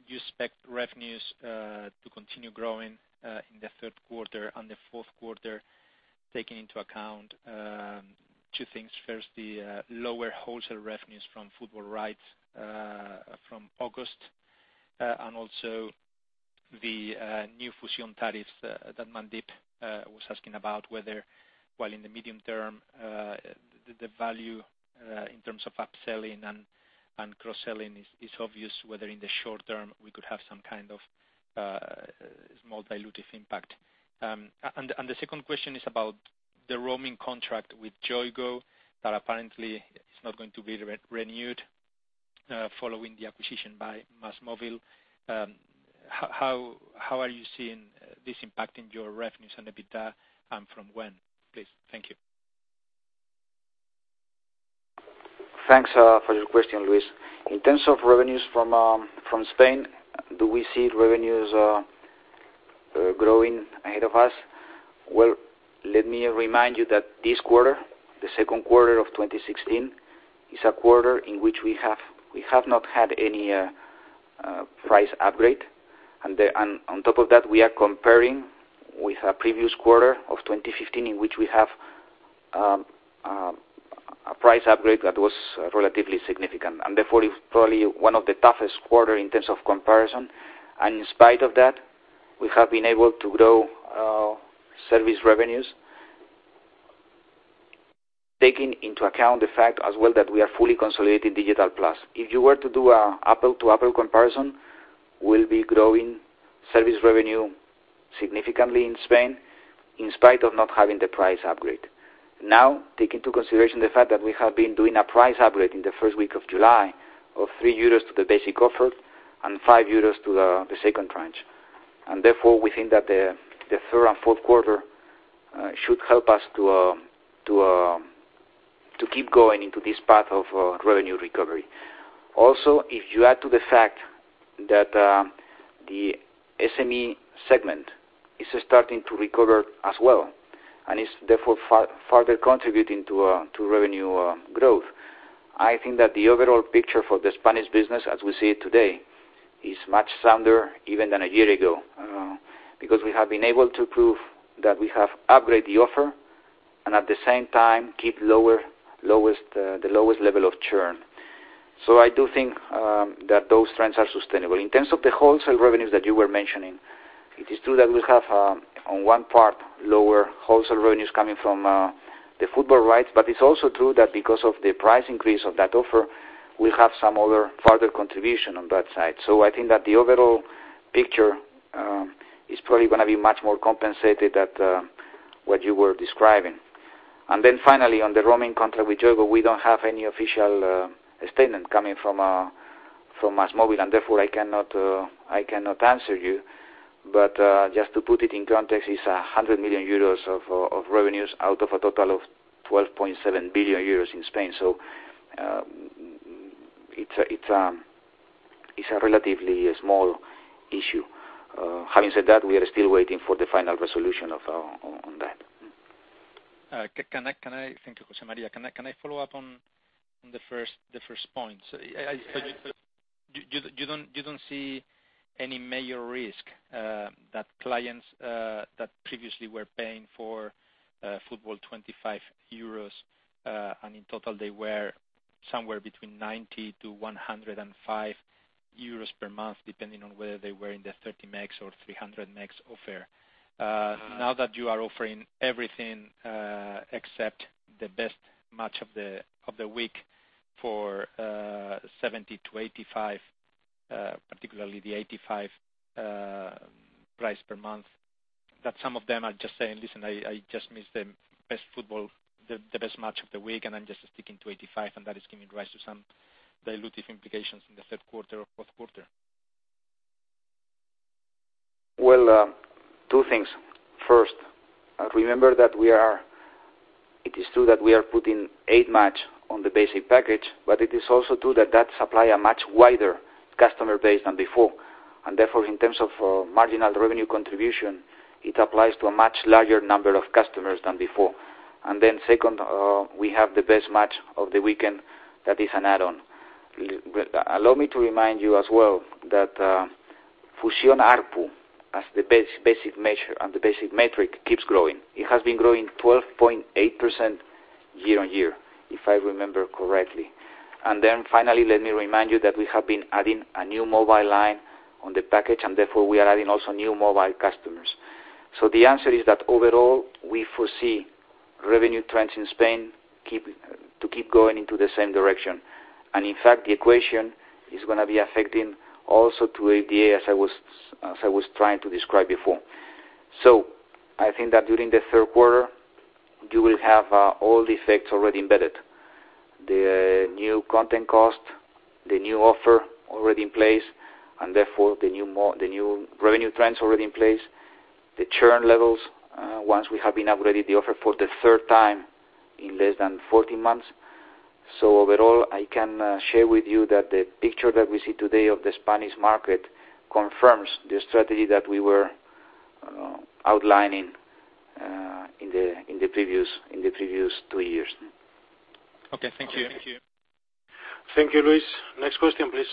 you expect revenues to continue growing in the third quarter and the fourth quarter, taking into account two things. First, the lower wholesale revenues from football rights from August, and also the new Fusión tariffs that Mandeep was asking about, whether while in the medium term, the value in terms of upselling and cross-selling is obvious, whether in the short term we could have some kind of small dilutive impact. The second question is about the roaming contract with Yoigo that apparently is not going to be renewed following the acquisition by MásMóvil. How are you seeing this impacting your revenues and EBITDA, and from when, please? Thank you. Thanks for your question, Luis. In terms of revenues from Spain, do we see revenues growing ahead of us? Well, let me remind you that this quarter, the second quarter of 2016, is a quarter in which we have not had any price upgrade. On top of that, we are comparing with a previous quarter of 2015, in which we have a price upgrade that was relatively significant, and therefore, is probably one of the toughest quarter in terms of comparison. In spite of that, we have been able to grow our service revenues, taking into account the fact as well that we are fully consolidating Digital+. If you were to do an apple-to-apple comparison, we will be growing service revenue significantly in Spain in spite of not having the price upgrade. Take into consideration the fact that we have been doing a price upgrade in the first week of July of 3 euros to the basic offer and 5 euros to the second tranche. Therefore, we think that the third and fourth quarter should help us to keep going into this path of revenue recovery. Also, if you add to the fact that the SME segment is starting to recover as well, and is therefore further contributing to revenue growth. I think that the overall picture for the Spanish business as we see it today is much sounder even than a year ago, because we have been able to prove that we have upgraded the offer, and at the same time keep the lowest level of churn. I do think that those trends are sustainable. In terms of the wholesale revenues that you were mentioning, it is true that we have, on one part, lower wholesale revenues coming from the football rights, but it is also true that because of the price increase of that offer, we have some other further contribution on that side. I think that the overall picture is probably going to be much more compensated than what you were describing. Then finally, on the roaming contract with Yoigo, we don't have any official statement coming from MásMóvil, and therefore I cannot answer you. Just to put it in context, it is 100 million euros of revenues out of a total of 12.7 billion euros in Spain, so it is a relatively small issue. Having said that, we are still waiting for the final resolution on that. Thank you, José María. Can I follow up on the first point? You don't see any major risk that clients that previously were paying for football 25 euros, and in total, they were somewhere between 90-105 euros per month, depending on whether they were in the 30 megs or 300 megs offer. You are offering everything except the best match of the week for 70-85, particularly the 85 price per month, that some of them are just saying, "Listen, I just miss the best football, the best match of the week, and I'm just sticking to 85", and that is giving rise to some dilutive implications in the third quarter or fourth quarter. Well, two things. First, remember that it is true that we are putting eight match on the basic package, but it is also true that that supply a much wider customer base than before. Therefore, in terms of marginal revenue contribution, it applies to a much larger number of customers than before. Then second, we have the best match of the weekend that is an add-on. Allow me to remind you as well that Fusión ARPU as the basic measure and the basic metric keeps growing. It has been growing 12.8% year-over-year, if I remember correctly. Then finally, let me remind you that we have been adding a new mobile line on the package, and therefore we are adding also new mobile customers. The answer is that overall, we foresee revenue trends in Spain to keep going into the same direction. In fact, the equation is going to be affecting also to EBITDA as I was trying to describe before. I think that during the third quarter, you will have all the effects already embedded. The new content cost, the new offer already in place, therefore the new revenue trends already in place, the churn levels, once we have been upgraded the offer for the third time in less than 14 months. Overall, I can share with you that the picture that we see today of the Spanish market confirms the strategy that we were outlining in the previous two years. Okay. Thank you. Thank you, Luis. Next question, please.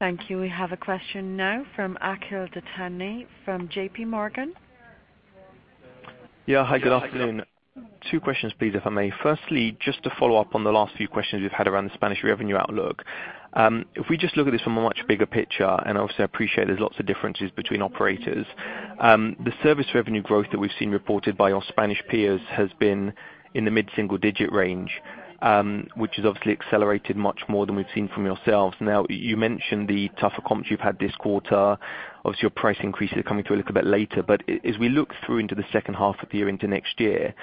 Thank you. We have a question now from Akhil Dattani from JP Morgan. Yeah. Hi, good afternoon. Two questions, please, if I may. Firstly, just to follow up on the last few questions we've had around the Spanish revenue outlook. If we just look at this from a much bigger picture, and obviously I appreciate there's lots of differences between operators. The service revenue growth that we've seen reported by your Spanish peers has been in the mid-single digit range, which has obviously accelerated much more than we've seen from yourselves. Now, you mentioned the tougher comps you've had this quarter. Obviously, your price increases are coming through a little bit later. As we look through into the second half of the year into next year,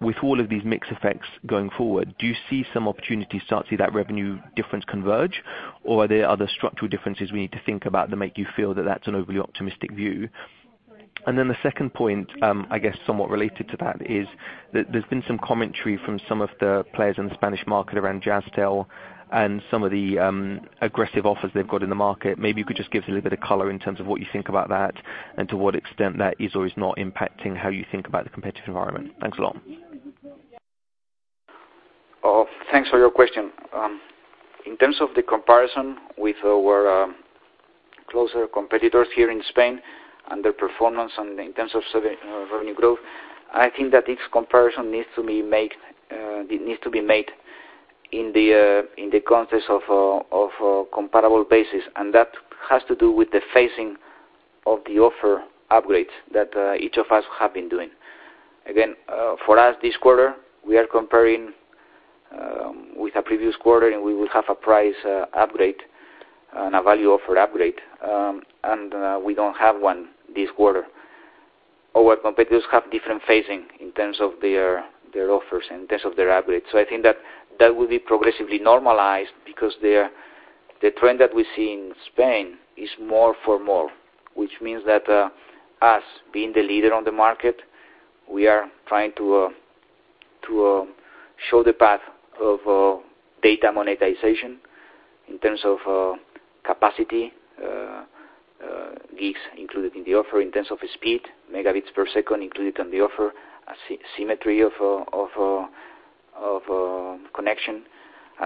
with all of these mix effects going forward, do you see some opportunities to start to see that revenue difference converge, or are there other structural differences we need to think about that make you feel that that's an overly optimistic view? The second point, I guess somewhat related to that, is that there's been some commentary from some of the players in the Spanish market around Jazztel and some of the aggressive offers they've got in the market. Maybe you could just give us a little bit of color in terms of what you think about that and to what extent that is or is not impacting how you think about the competitive environment. Thanks a lot. Thanks for your question. In terms of the comparison with our closer competitors here in Spain and their performance in terms of revenue growth, I think that this comparison needs to be made In the context of a comparable basis, and that has to do with the phasing of the offer upgrades that each of us have been doing. Again, for us this quarter, we are comparing with the previous quarter, and we will have a price upgrade and a value offer upgrade. We don't have one this quarter. Our competitors have different phasing in terms of their offers, in terms of their upgrades. I think that will be progressively normalized because the trend that we see in Spain is more for more, which means that us being the leader on the market, we are trying to show the path of data monetization in terms of capacity, gigs included in the offer, in terms of speed, megabits per second included on the offer, a symmetry of connection.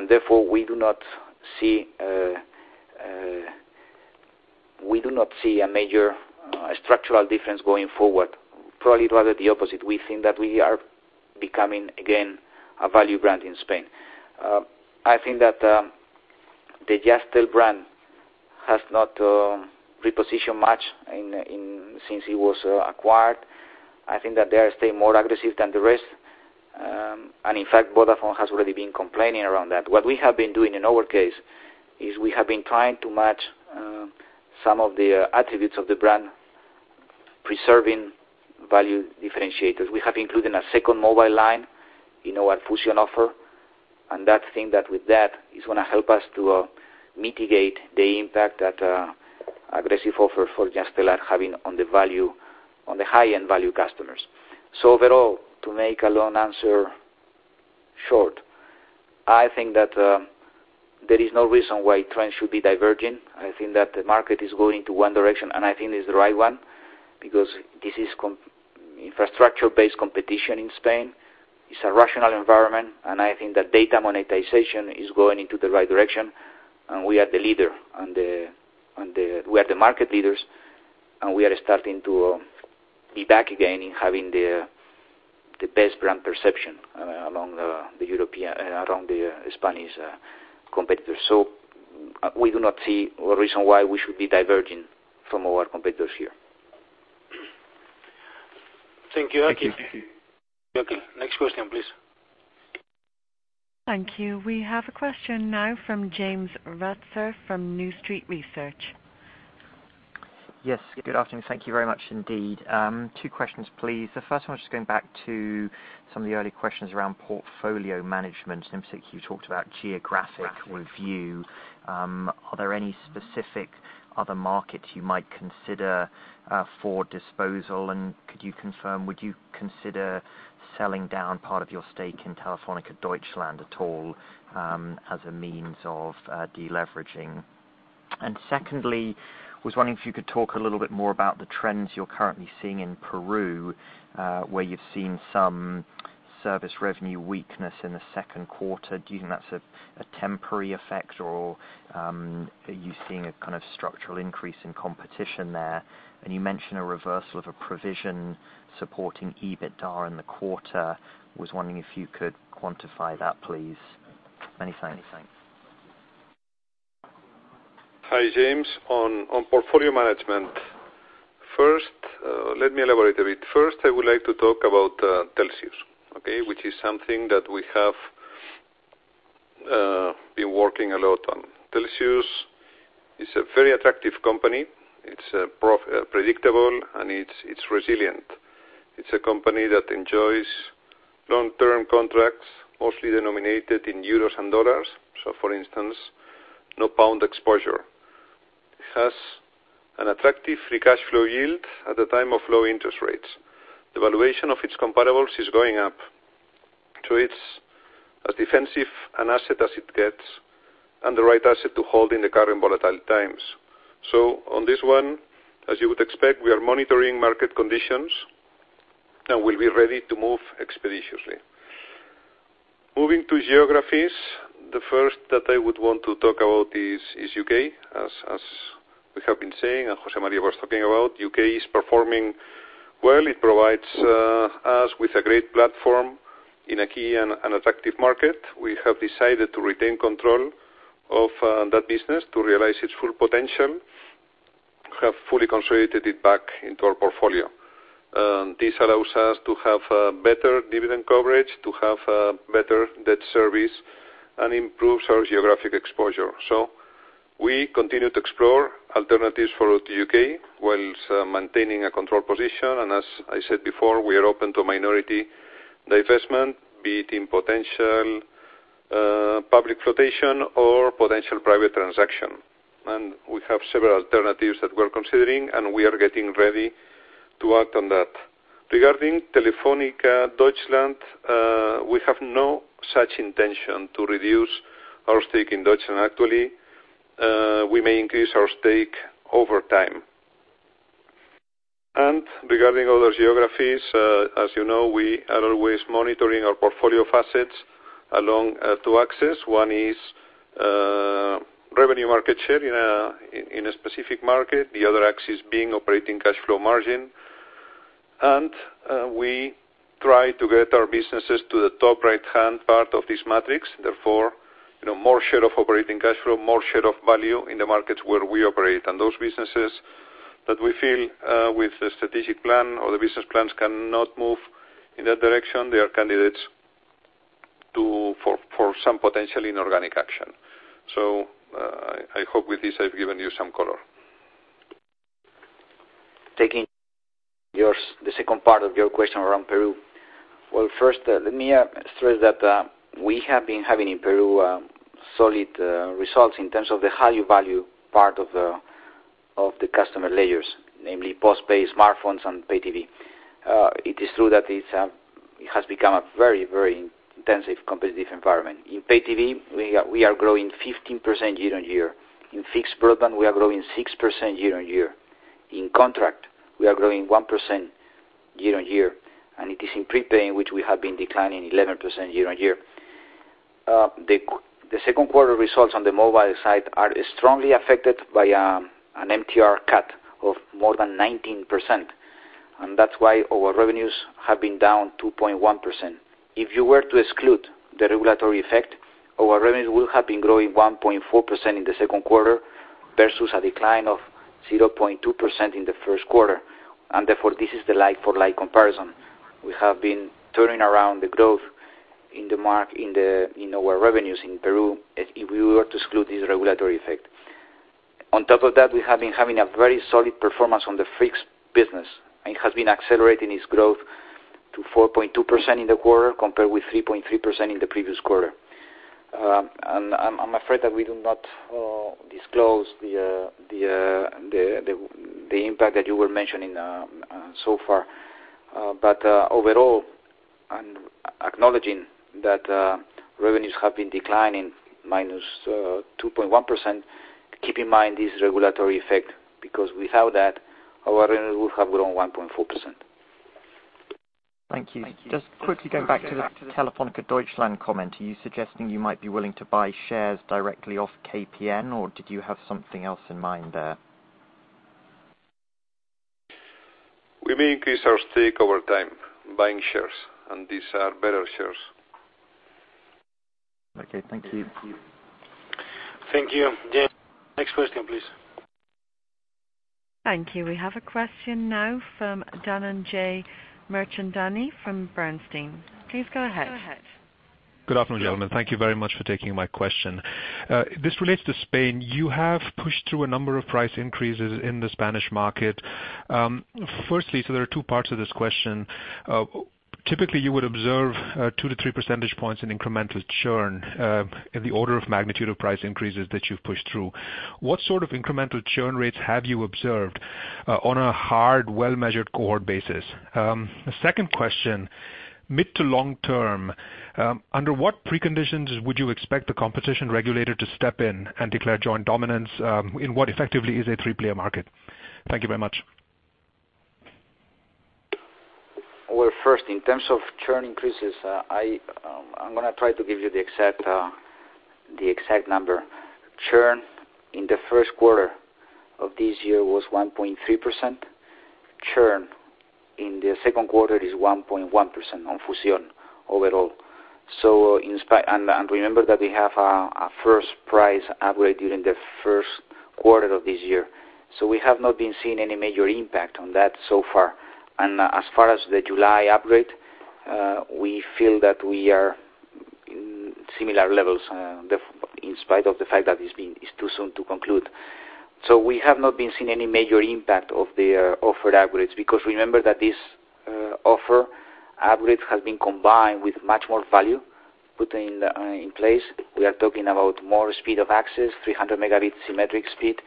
Therefore, we do not see a major structural difference going forward. Probably rather the opposite. We think that we are becoming, again, a value brand in Spain. I think that the Jazztel brand has not repositioned much since it was acquired. I think that they are staying more aggressive than the rest. In fact, Vodafone has already been complaining around that. What we have been doing in our case is we have been trying to match some of the attributes of the brand, preserving value differentiators. We have included a second mobile line in our Fusión offer, and that is going to help us to mitigate the impact that aggressive offers for Jazztel are having on the high-end value customers. Overall, to make a long answer short, I think that there is no reason why trends should be diverging. I think that the market is going to one direction, I think it's the right one because this is infrastructure-based competition in Spain. It's a rational environment, I think that data monetization is going into the right direction, we are the leader. We are the market leaders, we are starting to be back again in having the best brand perception among the Spanish competitors. We do not see a reason why we should be diverging from our competitors here. Thank you, Akhil. Thank you. Okay. Next question, please. Thank you. We have a question now from James Ratzer from New Street Research. Yes. Good afternoon. Thank you very much indeed. Two questions, please. The first one was just going back to some of the early questions around portfolio management. In particular, you talked about geographic review. Are there any specific other markets you might consider for disposal, and could you confirm, would you consider selling down part of your stake in Telefónica Deutschland at all as a means of deleveraging? Secondly, was wondering if you could talk a little bit more about the trends you're currently seeing in Peru, where you've seen some service revenue weakness in the second quarter. Do you think that's a temporary effect, or are you seeing a structural increase in competition there? You mentioned a reversal of a provision supporting EBITDA in the quarter. Was wondering if you could quantify that, please. Many thanks. Hi, James. On portfolio management, first, let me elaborate a bit. First, I would like to talk about Telxius, which is something that we have been working a lot on. Telxius is a very attractive company. It's predictable, and it's resilient. It's a company that enjoys long-term contracts, mostly denominated in euros and dollars. For instance, no pound exposure. It has an attractive free cash flow yield at the time of low interest rates. The valuation of its comparables is going up. It's as defensive an asset as it gets and the right asset to hold in the current volatile times. On this one, as you would expect, we are monitoring market conditions, and will be ready to move expeditiously. Moving to geographies, the first that I would want to talk about is U.K. As we have been saying, and José María was talking about, U.K. is performing well. It provides us with a great platform in a key and attractive market. We have decided to retain control of that business to realize its full potential. We have fully consolidated it back into our portfolio. This allows us to have better dividend coverage, to have better debt service, and improves our geographic exposure. We continue to explore alternatives for O2 U.K. whilst maintaining a control position. As I said before, we are open to minority divestment, be it in potential public flotation or potential private transaction. We have several alternatives that we're considering, and we are getting ready to act on that. Regarding Telefónica Deutschland, we have no such intention to reduce our stake in Deutschland. Actually, we may increase our stake over time. Regarding other geographies, as you know, we are always monitoring our portfolio of assets along two axes. One is revenue market share in a specific market, the other axis being operating cash flow margin. We try to get our businesses to the top right-hand part of this matrix. Therefore, more share of operating cash flow, more share of value in the markets where we operate. Those businesses that we feel with the strategic plan or the business plans cannot move in that direction, they are candidates for some potential inorganic action. I hope with this, I've given you some color. Taking the second part of your question around Peru. Well, first, let me stress that we have been having in Peru solid results in terms of the higher value part of the customer layers, namely postpaid smartphones and pay TV. It is true that it has become a very intensive, competitive environment. In pay TV, we are growing 15% year-over-year. In fixed broadband, we are growing 6% year-over-year. In contract, we are growing 1% year-over-year. It is in prepay in which we have been declining 11% year-over-year. The second quarter results on the mobile side are strongly affected by an MTR cut of more than 19%, and that's why our revenues have been down 2.1%. If you were to exclude the regulatory effect, our revenues will have been growing 1.4% in the second quarter versus a decline of 0.2% in the first quarter. Therefore, this is the like-for-like comparison. We have been turning around the growth in our revenues in Peru, if we were to exclude this regulatory effect. On top of that, we have been having a very solid performance on the fixed business. It has been accelerating its growth to 4.2% in the quarter compared with 3.3% in the previous quarter. I'm afraid that we do not disclose the impact that you were mentioning so far. Overall, acknowledging that revenues have been declining -2.1%, keep in mind this regulatory effect, because without that, our revenue would have grown 1.4%. Thank you. Just quickly going back to the Telefónica Deutschland comment. Are you suggesting you might be willing to buy shares directly off KPN, or did you have something else in mind there? We may increase our stake over time buying shares. These are bearer shares. Okay. Thank you. Thank you. Yes. Next question, please. Thank you. We have a question now from Dhananjay Mirchandani from Bernstein. Please go ahead. Good afternoon, gentlemen. Thank you very much for taking my question. This relates to Spain. You have pushed through a number of price increases in the Spanish market. Firstly, there are two parts to this question. Typically, you would observe two to three percentage points in incremental churn in the order of magnitude of price increases that you've pushed through. What sort of incremental churn rates have you observed on a hard, well-measured cohort basis? Second question, mid to long term, under what preconditions would you expect the competition regulator to step in and declare joint dominance in what effectively is a three-player market? Thank you very much. Well, first, in terms of churn increases, I'm going to try to give you the exact number. Churn in the first quarter of this year was 1.3%. Churn in the second quarter is 1.1% on Fusión overall. Remember that we have our first price upgrade during the first quarter of this year. We have not been seeing any major impact on that so far. As far as the July upgrade, we feel that we are similar levels in spite of the fact that it's too soon to conclude. We have not been seeing any major impact of the offered upgrades, because remember that this offer upgrade has been combined with much more value put in place. We are talking about more speed of access, 300 megabit symmetric speed.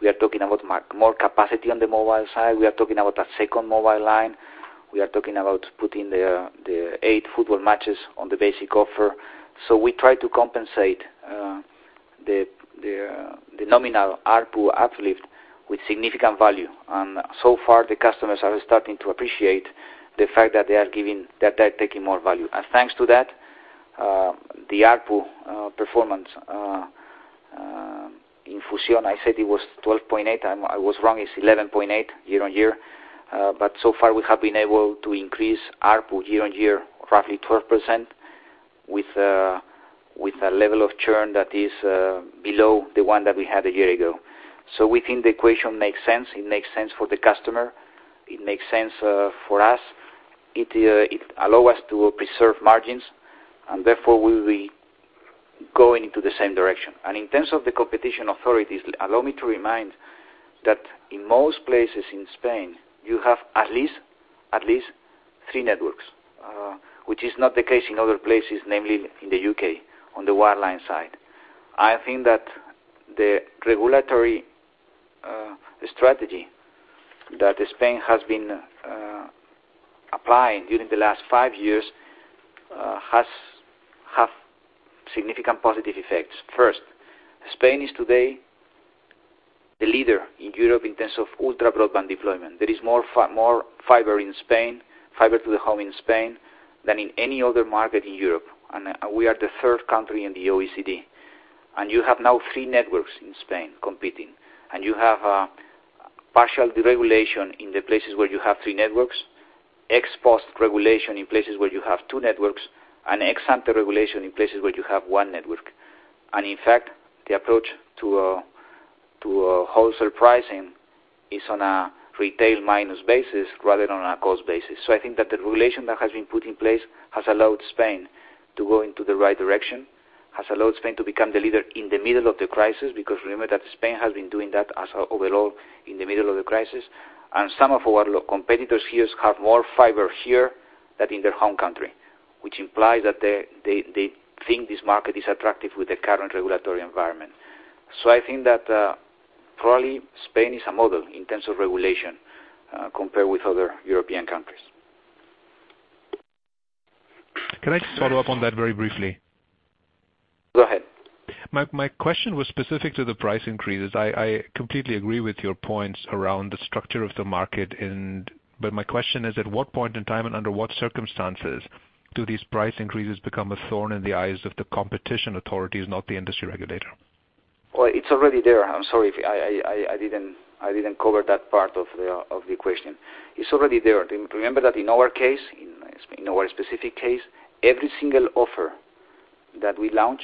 We are talking about more capacity on the mobile side. We are talking about a second mobile line. We are talking about putting the eight football matches on the basic offer. We try to compensate the nominal ARPU uplift with significant value. So far, the customers are starting to appreciate the fact that they are taking more value. Thanks to that, the ARPU performance in Fusión, I said it was 12.8, I was wrong. It's 11.8 year-on-year. So far, we have been able to increase ARPU year-on-year, roughly 12%, with a level of churn that is below the one that we had a year ago. We think the equation makes sense. It makes sense for the customer. It makes sense for us. It allow us to preserve margins, therefore we will be going into the same direction. In terms of the competition authorities, allow me to remind that in most places in Spain, you have at least three networks, which is not the case in other places, namely in the U.K., on the wireline side. I think that the regulatory strategy that Spain has been applying during the last five years have significant positive effects. First, Spain is today the leader in Europe in terms of ultra-broadband deployment. There is more Fiber to the Home in Spain than in any other market in Europe, and we are the third country in the OECD. You have now three networks in Spain competing, you have a partial deregulation in the places where you have three networks, ex post regulation in places where you have two networks, and ex ante regulation in places where you have one network. In fact, the approach to wholesale pricing is on a retail minus basis rather than on a cost basis. I think that the regulation that has been put in place has allowed Spain to go into the right direction, has allowed Spain to become the leader in the middle of the crisis, because remember that Spain has been doing that as overall in the middle of the crisis. Some of our competitors here have more fiber here than in their home country, which implies that they think this market is attractive with the current regulatory environment. I think that probably Spain is a model in terms of regulation compared with other European countries. Can I just follow up on that very briefly? Go ahead. My question was specific to the price increases. I completely agree with your points around the structure of the market, my question is, at what point in time and under what circumstances do these price increases become a thorn in the eyes of the competition authorities, not the industry regulator? Well, it's already there. I'm sorry if I didn't cover that part of the question. It's already there. Remember that in our case, in our specific case, every single offer that we launch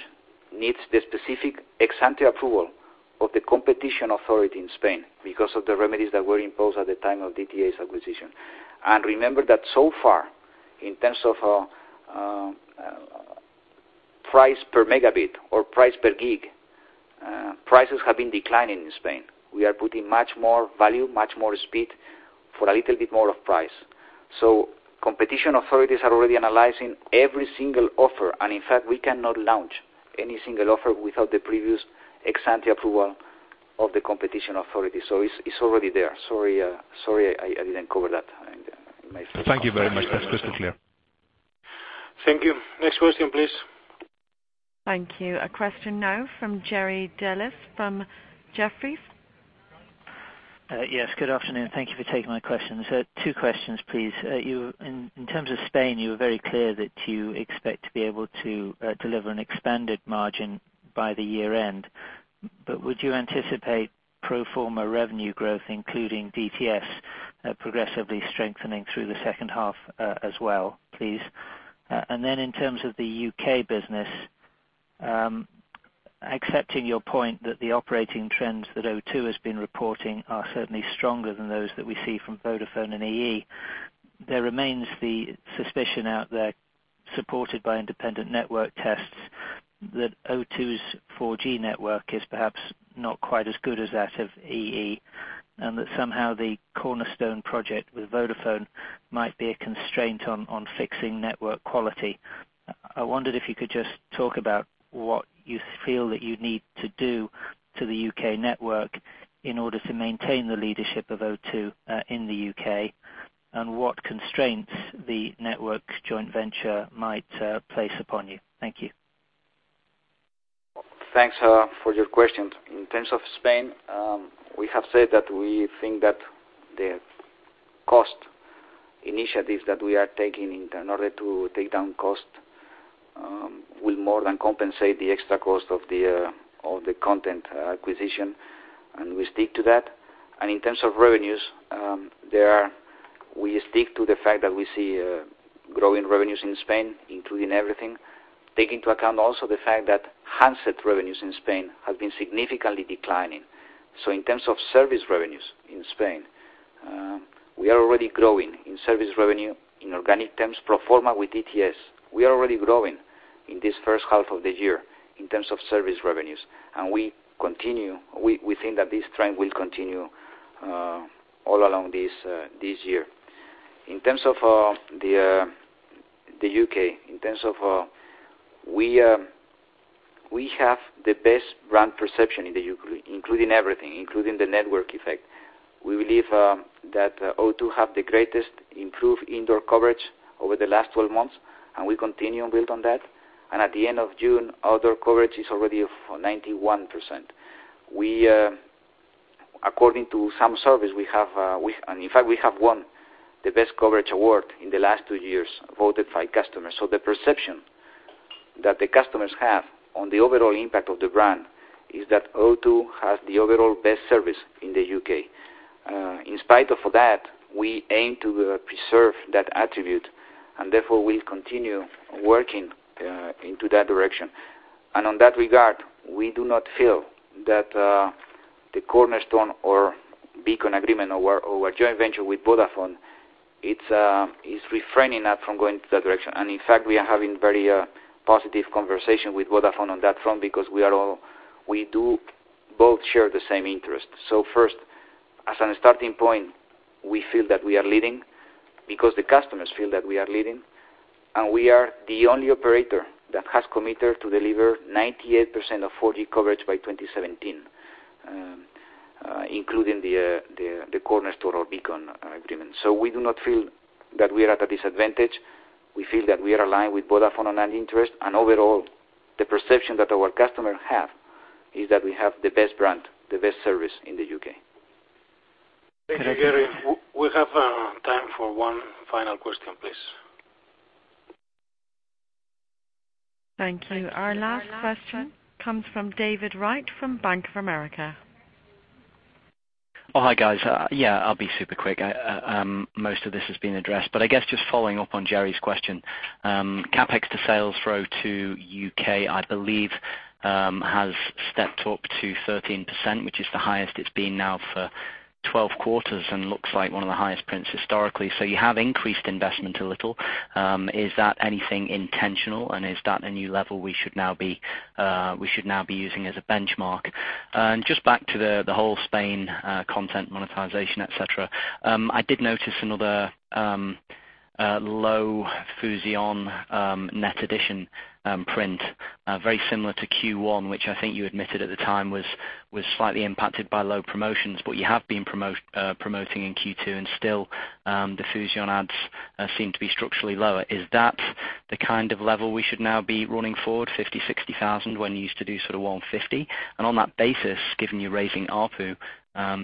needs the specific ex ante approval of the competition authority in Spain because of the remedies that were imposed at the time of DTS acquisition. Remember that so far, in terms of price per megabit or price per gig, prices have been declining in Spain. We are putting much more value, much more speed, for a little bit more of price. Competition authorities are already analyzing every single offer, and in fact, we cannot launch any single offer without the previous ex ante approval of the competition authority. It's already there. Sorry I didn't cover that. Thank you very much. That's crystal clear. Thank you. Next question, please. Thank you. A question now from Jerry Dellis from Jefferies. Yes, good afternoon. Thank you for taking my questions. Two questions, please. In terms of Spain, you were very clear that you expect to be able to deliver an expanded margin by the year-end. Would you anticipate pro forma revenue growth, including DTS, progressively strengthening through the second half as well, please? In terms of the U.K. business, accepting your point that the operating trends that O2 has been reporting are certainly stronger than those that we see from Vodafone and EE, there remains the suspicion out there, supported by independent network tests, that O2's 4G network is perhaps not quite as good as that of EE, and that somehow the Cornerstone project with Vodafone might be a constraint on fixing network quality. I wondered if you could just talk about what you feel that you need to do to the U.K. network in order to maintain the leadership of O2 in the U.K., and what constraints the network joint venture might place upon you. Thank you. Thanks for your questions. In terms of Spain, we have said that we think that the cost initiatives that we are taking in order to take down cost will more than compensate the extra cost of the content acquisition, we stick to that. In terms of revenues, we stick to the fact that we see growing revenues in Spain, including everything. Take into account also the fact that handset revenues in Spain have been significantly declining. In terms of service revenues in Spain, we are already growing in service revenue in organic terms. Pro forma with DTS, we are already growing in this first half of the year in terms of service revenues, we think that this trend will continue all along this year. In terms of the U.K., we have the best brand perception in the U.K., including everything, including the network effect. We believe that O2 have the greatest improved indoor coverage over the last 12 months, we continue and build on that. At the end of June, outdoor coverage is already 91%. According to some surveys, in fact, we have won the best coverage award in the last two years, voted by customers. The perception that the customers have on the overall impact of the brand is that O2 has the overall best service in the U.K. In spite of that, we aim to preserve that attribute, therefore we'll continue working into that direction. On that regard, we do not feel that the Cornerstone or Beacon agreement or our joint venture with Vodafone is refraining us from going into that direction. In fact, we are having very positive conversation with Vodafone on that front because we do both share the same interest. First, as a starting point, we feel that we are leading because the customers feel that we are leading, we are the only operator that has committed to deliver 98% of 4G coverage by 2017, including the Cornerstone or Beacon agreement. We do not feel that we are at a disadvantage. We feel that we are aligned with Vodafone on that interest. Overall, the perception that our customers have Is that we have the best brand, the best service in the U.K. Thank you, Jerry. We have time for one final question, please. Thank you. Our last question comes from David Wright from Bank of America. Oh, hi, guys. Yeah, I'll be super quick. Most of this has been addressed, but I guess just following up on Jerry's question. CapEx to sales throw to U.K., I believe, has stepped up to 13%, which is the highest it's been now for 12 quarters, and looks like one of the highest prints historically. You have increased investment a little. Is that anything intentional, and is that a new level we should now be using as a benchmark? Just back to the whole Spain content monetization, et cetera. I did notice another low Fusión net addition print, very similar to Q1, which I think you admitted at the time was slightly impacted by low promotions, but you have been promoting in Q2, still, the Fusión ads seem to be structurally lower. Is that the kind of level we should now be running forward, 50,000, 60,000, when you used to do sort of 150? On that basis, given you're raising ARPU,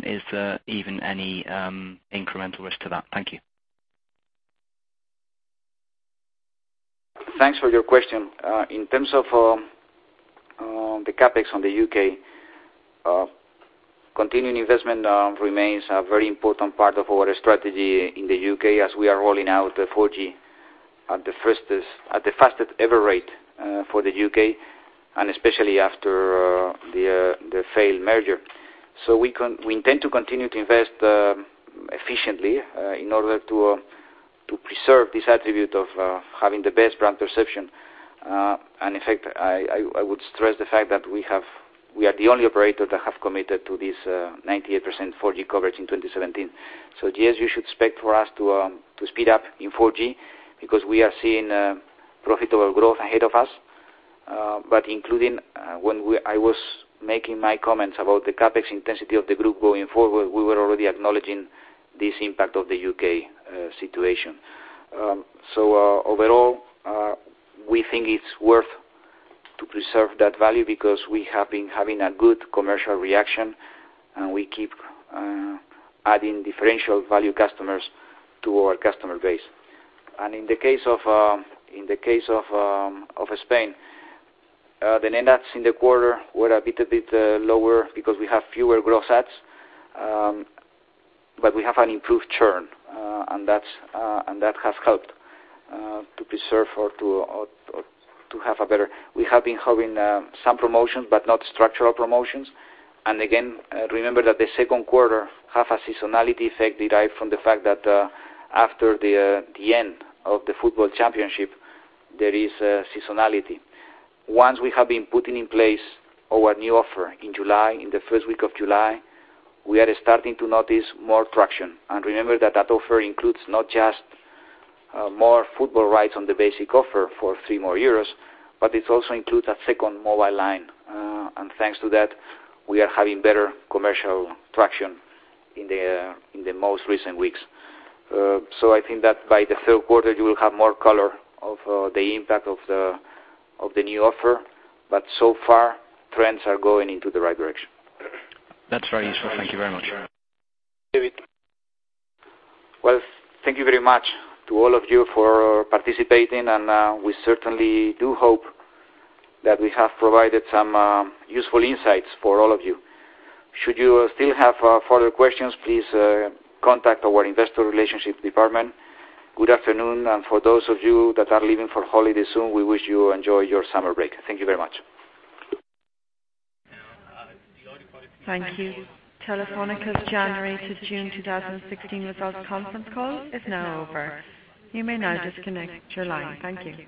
is there even any incremental risk to that? Thank you. Thanks for your question. In terms of the CapEx on the U.K., continuing investment remains a very important part of our strategy in the U.K. as we are rolling out 4G at the fastest ever rate for the U.K., especially after the failed merger. We intend to continue to invest efficiently in order to preserve this attribute of having the best brand perception. In fact, I would stress the fact that we are the only operator that have committed to this 98% 4G coverage in 2017. Yes, you should expect for us to speed up in 4G because we are seeing profitable growth ahead of us. Including when I was making my comments about the CapEx intensity of the group going forward, we were already acknowledging this impact of the U.K. situation. Overall, we think it's worth to preserve that value because we have been having a good commercial reaction, and we keep adding differential value customers to our customer base. In the case of Spain, the net adds in the quarter were a bit lower because we have fewer gross adds, but we have an improved churn, and that has helped to preserve or to have. We have been having some promotions, but not structural promotions. Again, remember that the second quarter have a seasonality effect derived from the fact that after the end of the football championship, there is a seasonality. Once we have been putting in place our new offer in July, in the first week of July, we are starting to notice more traction. Remember that that offer includes not just more football rights on the basic offer for three more years, but it also includes a second mobile line. Thanks to that, we are having better commercial traction in the most recent weeks. I think that by the third quarter, you will have more color of the impact of the new offer. So far, trends are going into the right direction. That's very useful. Thank you very much. David. Thank you very much to all of you for participating, and we certainly do hope that we have provided some useful insights for all of you. Should you still have further questions, please contact our Investor Relations department. Good afternoon. For those of you that are leaving for holiday soon, we wish you enjoy your summer break. Thank you very much. Thank you. Telefónica's January to June 2016 results conference call is now over. You may now disconnect your line. Thank you.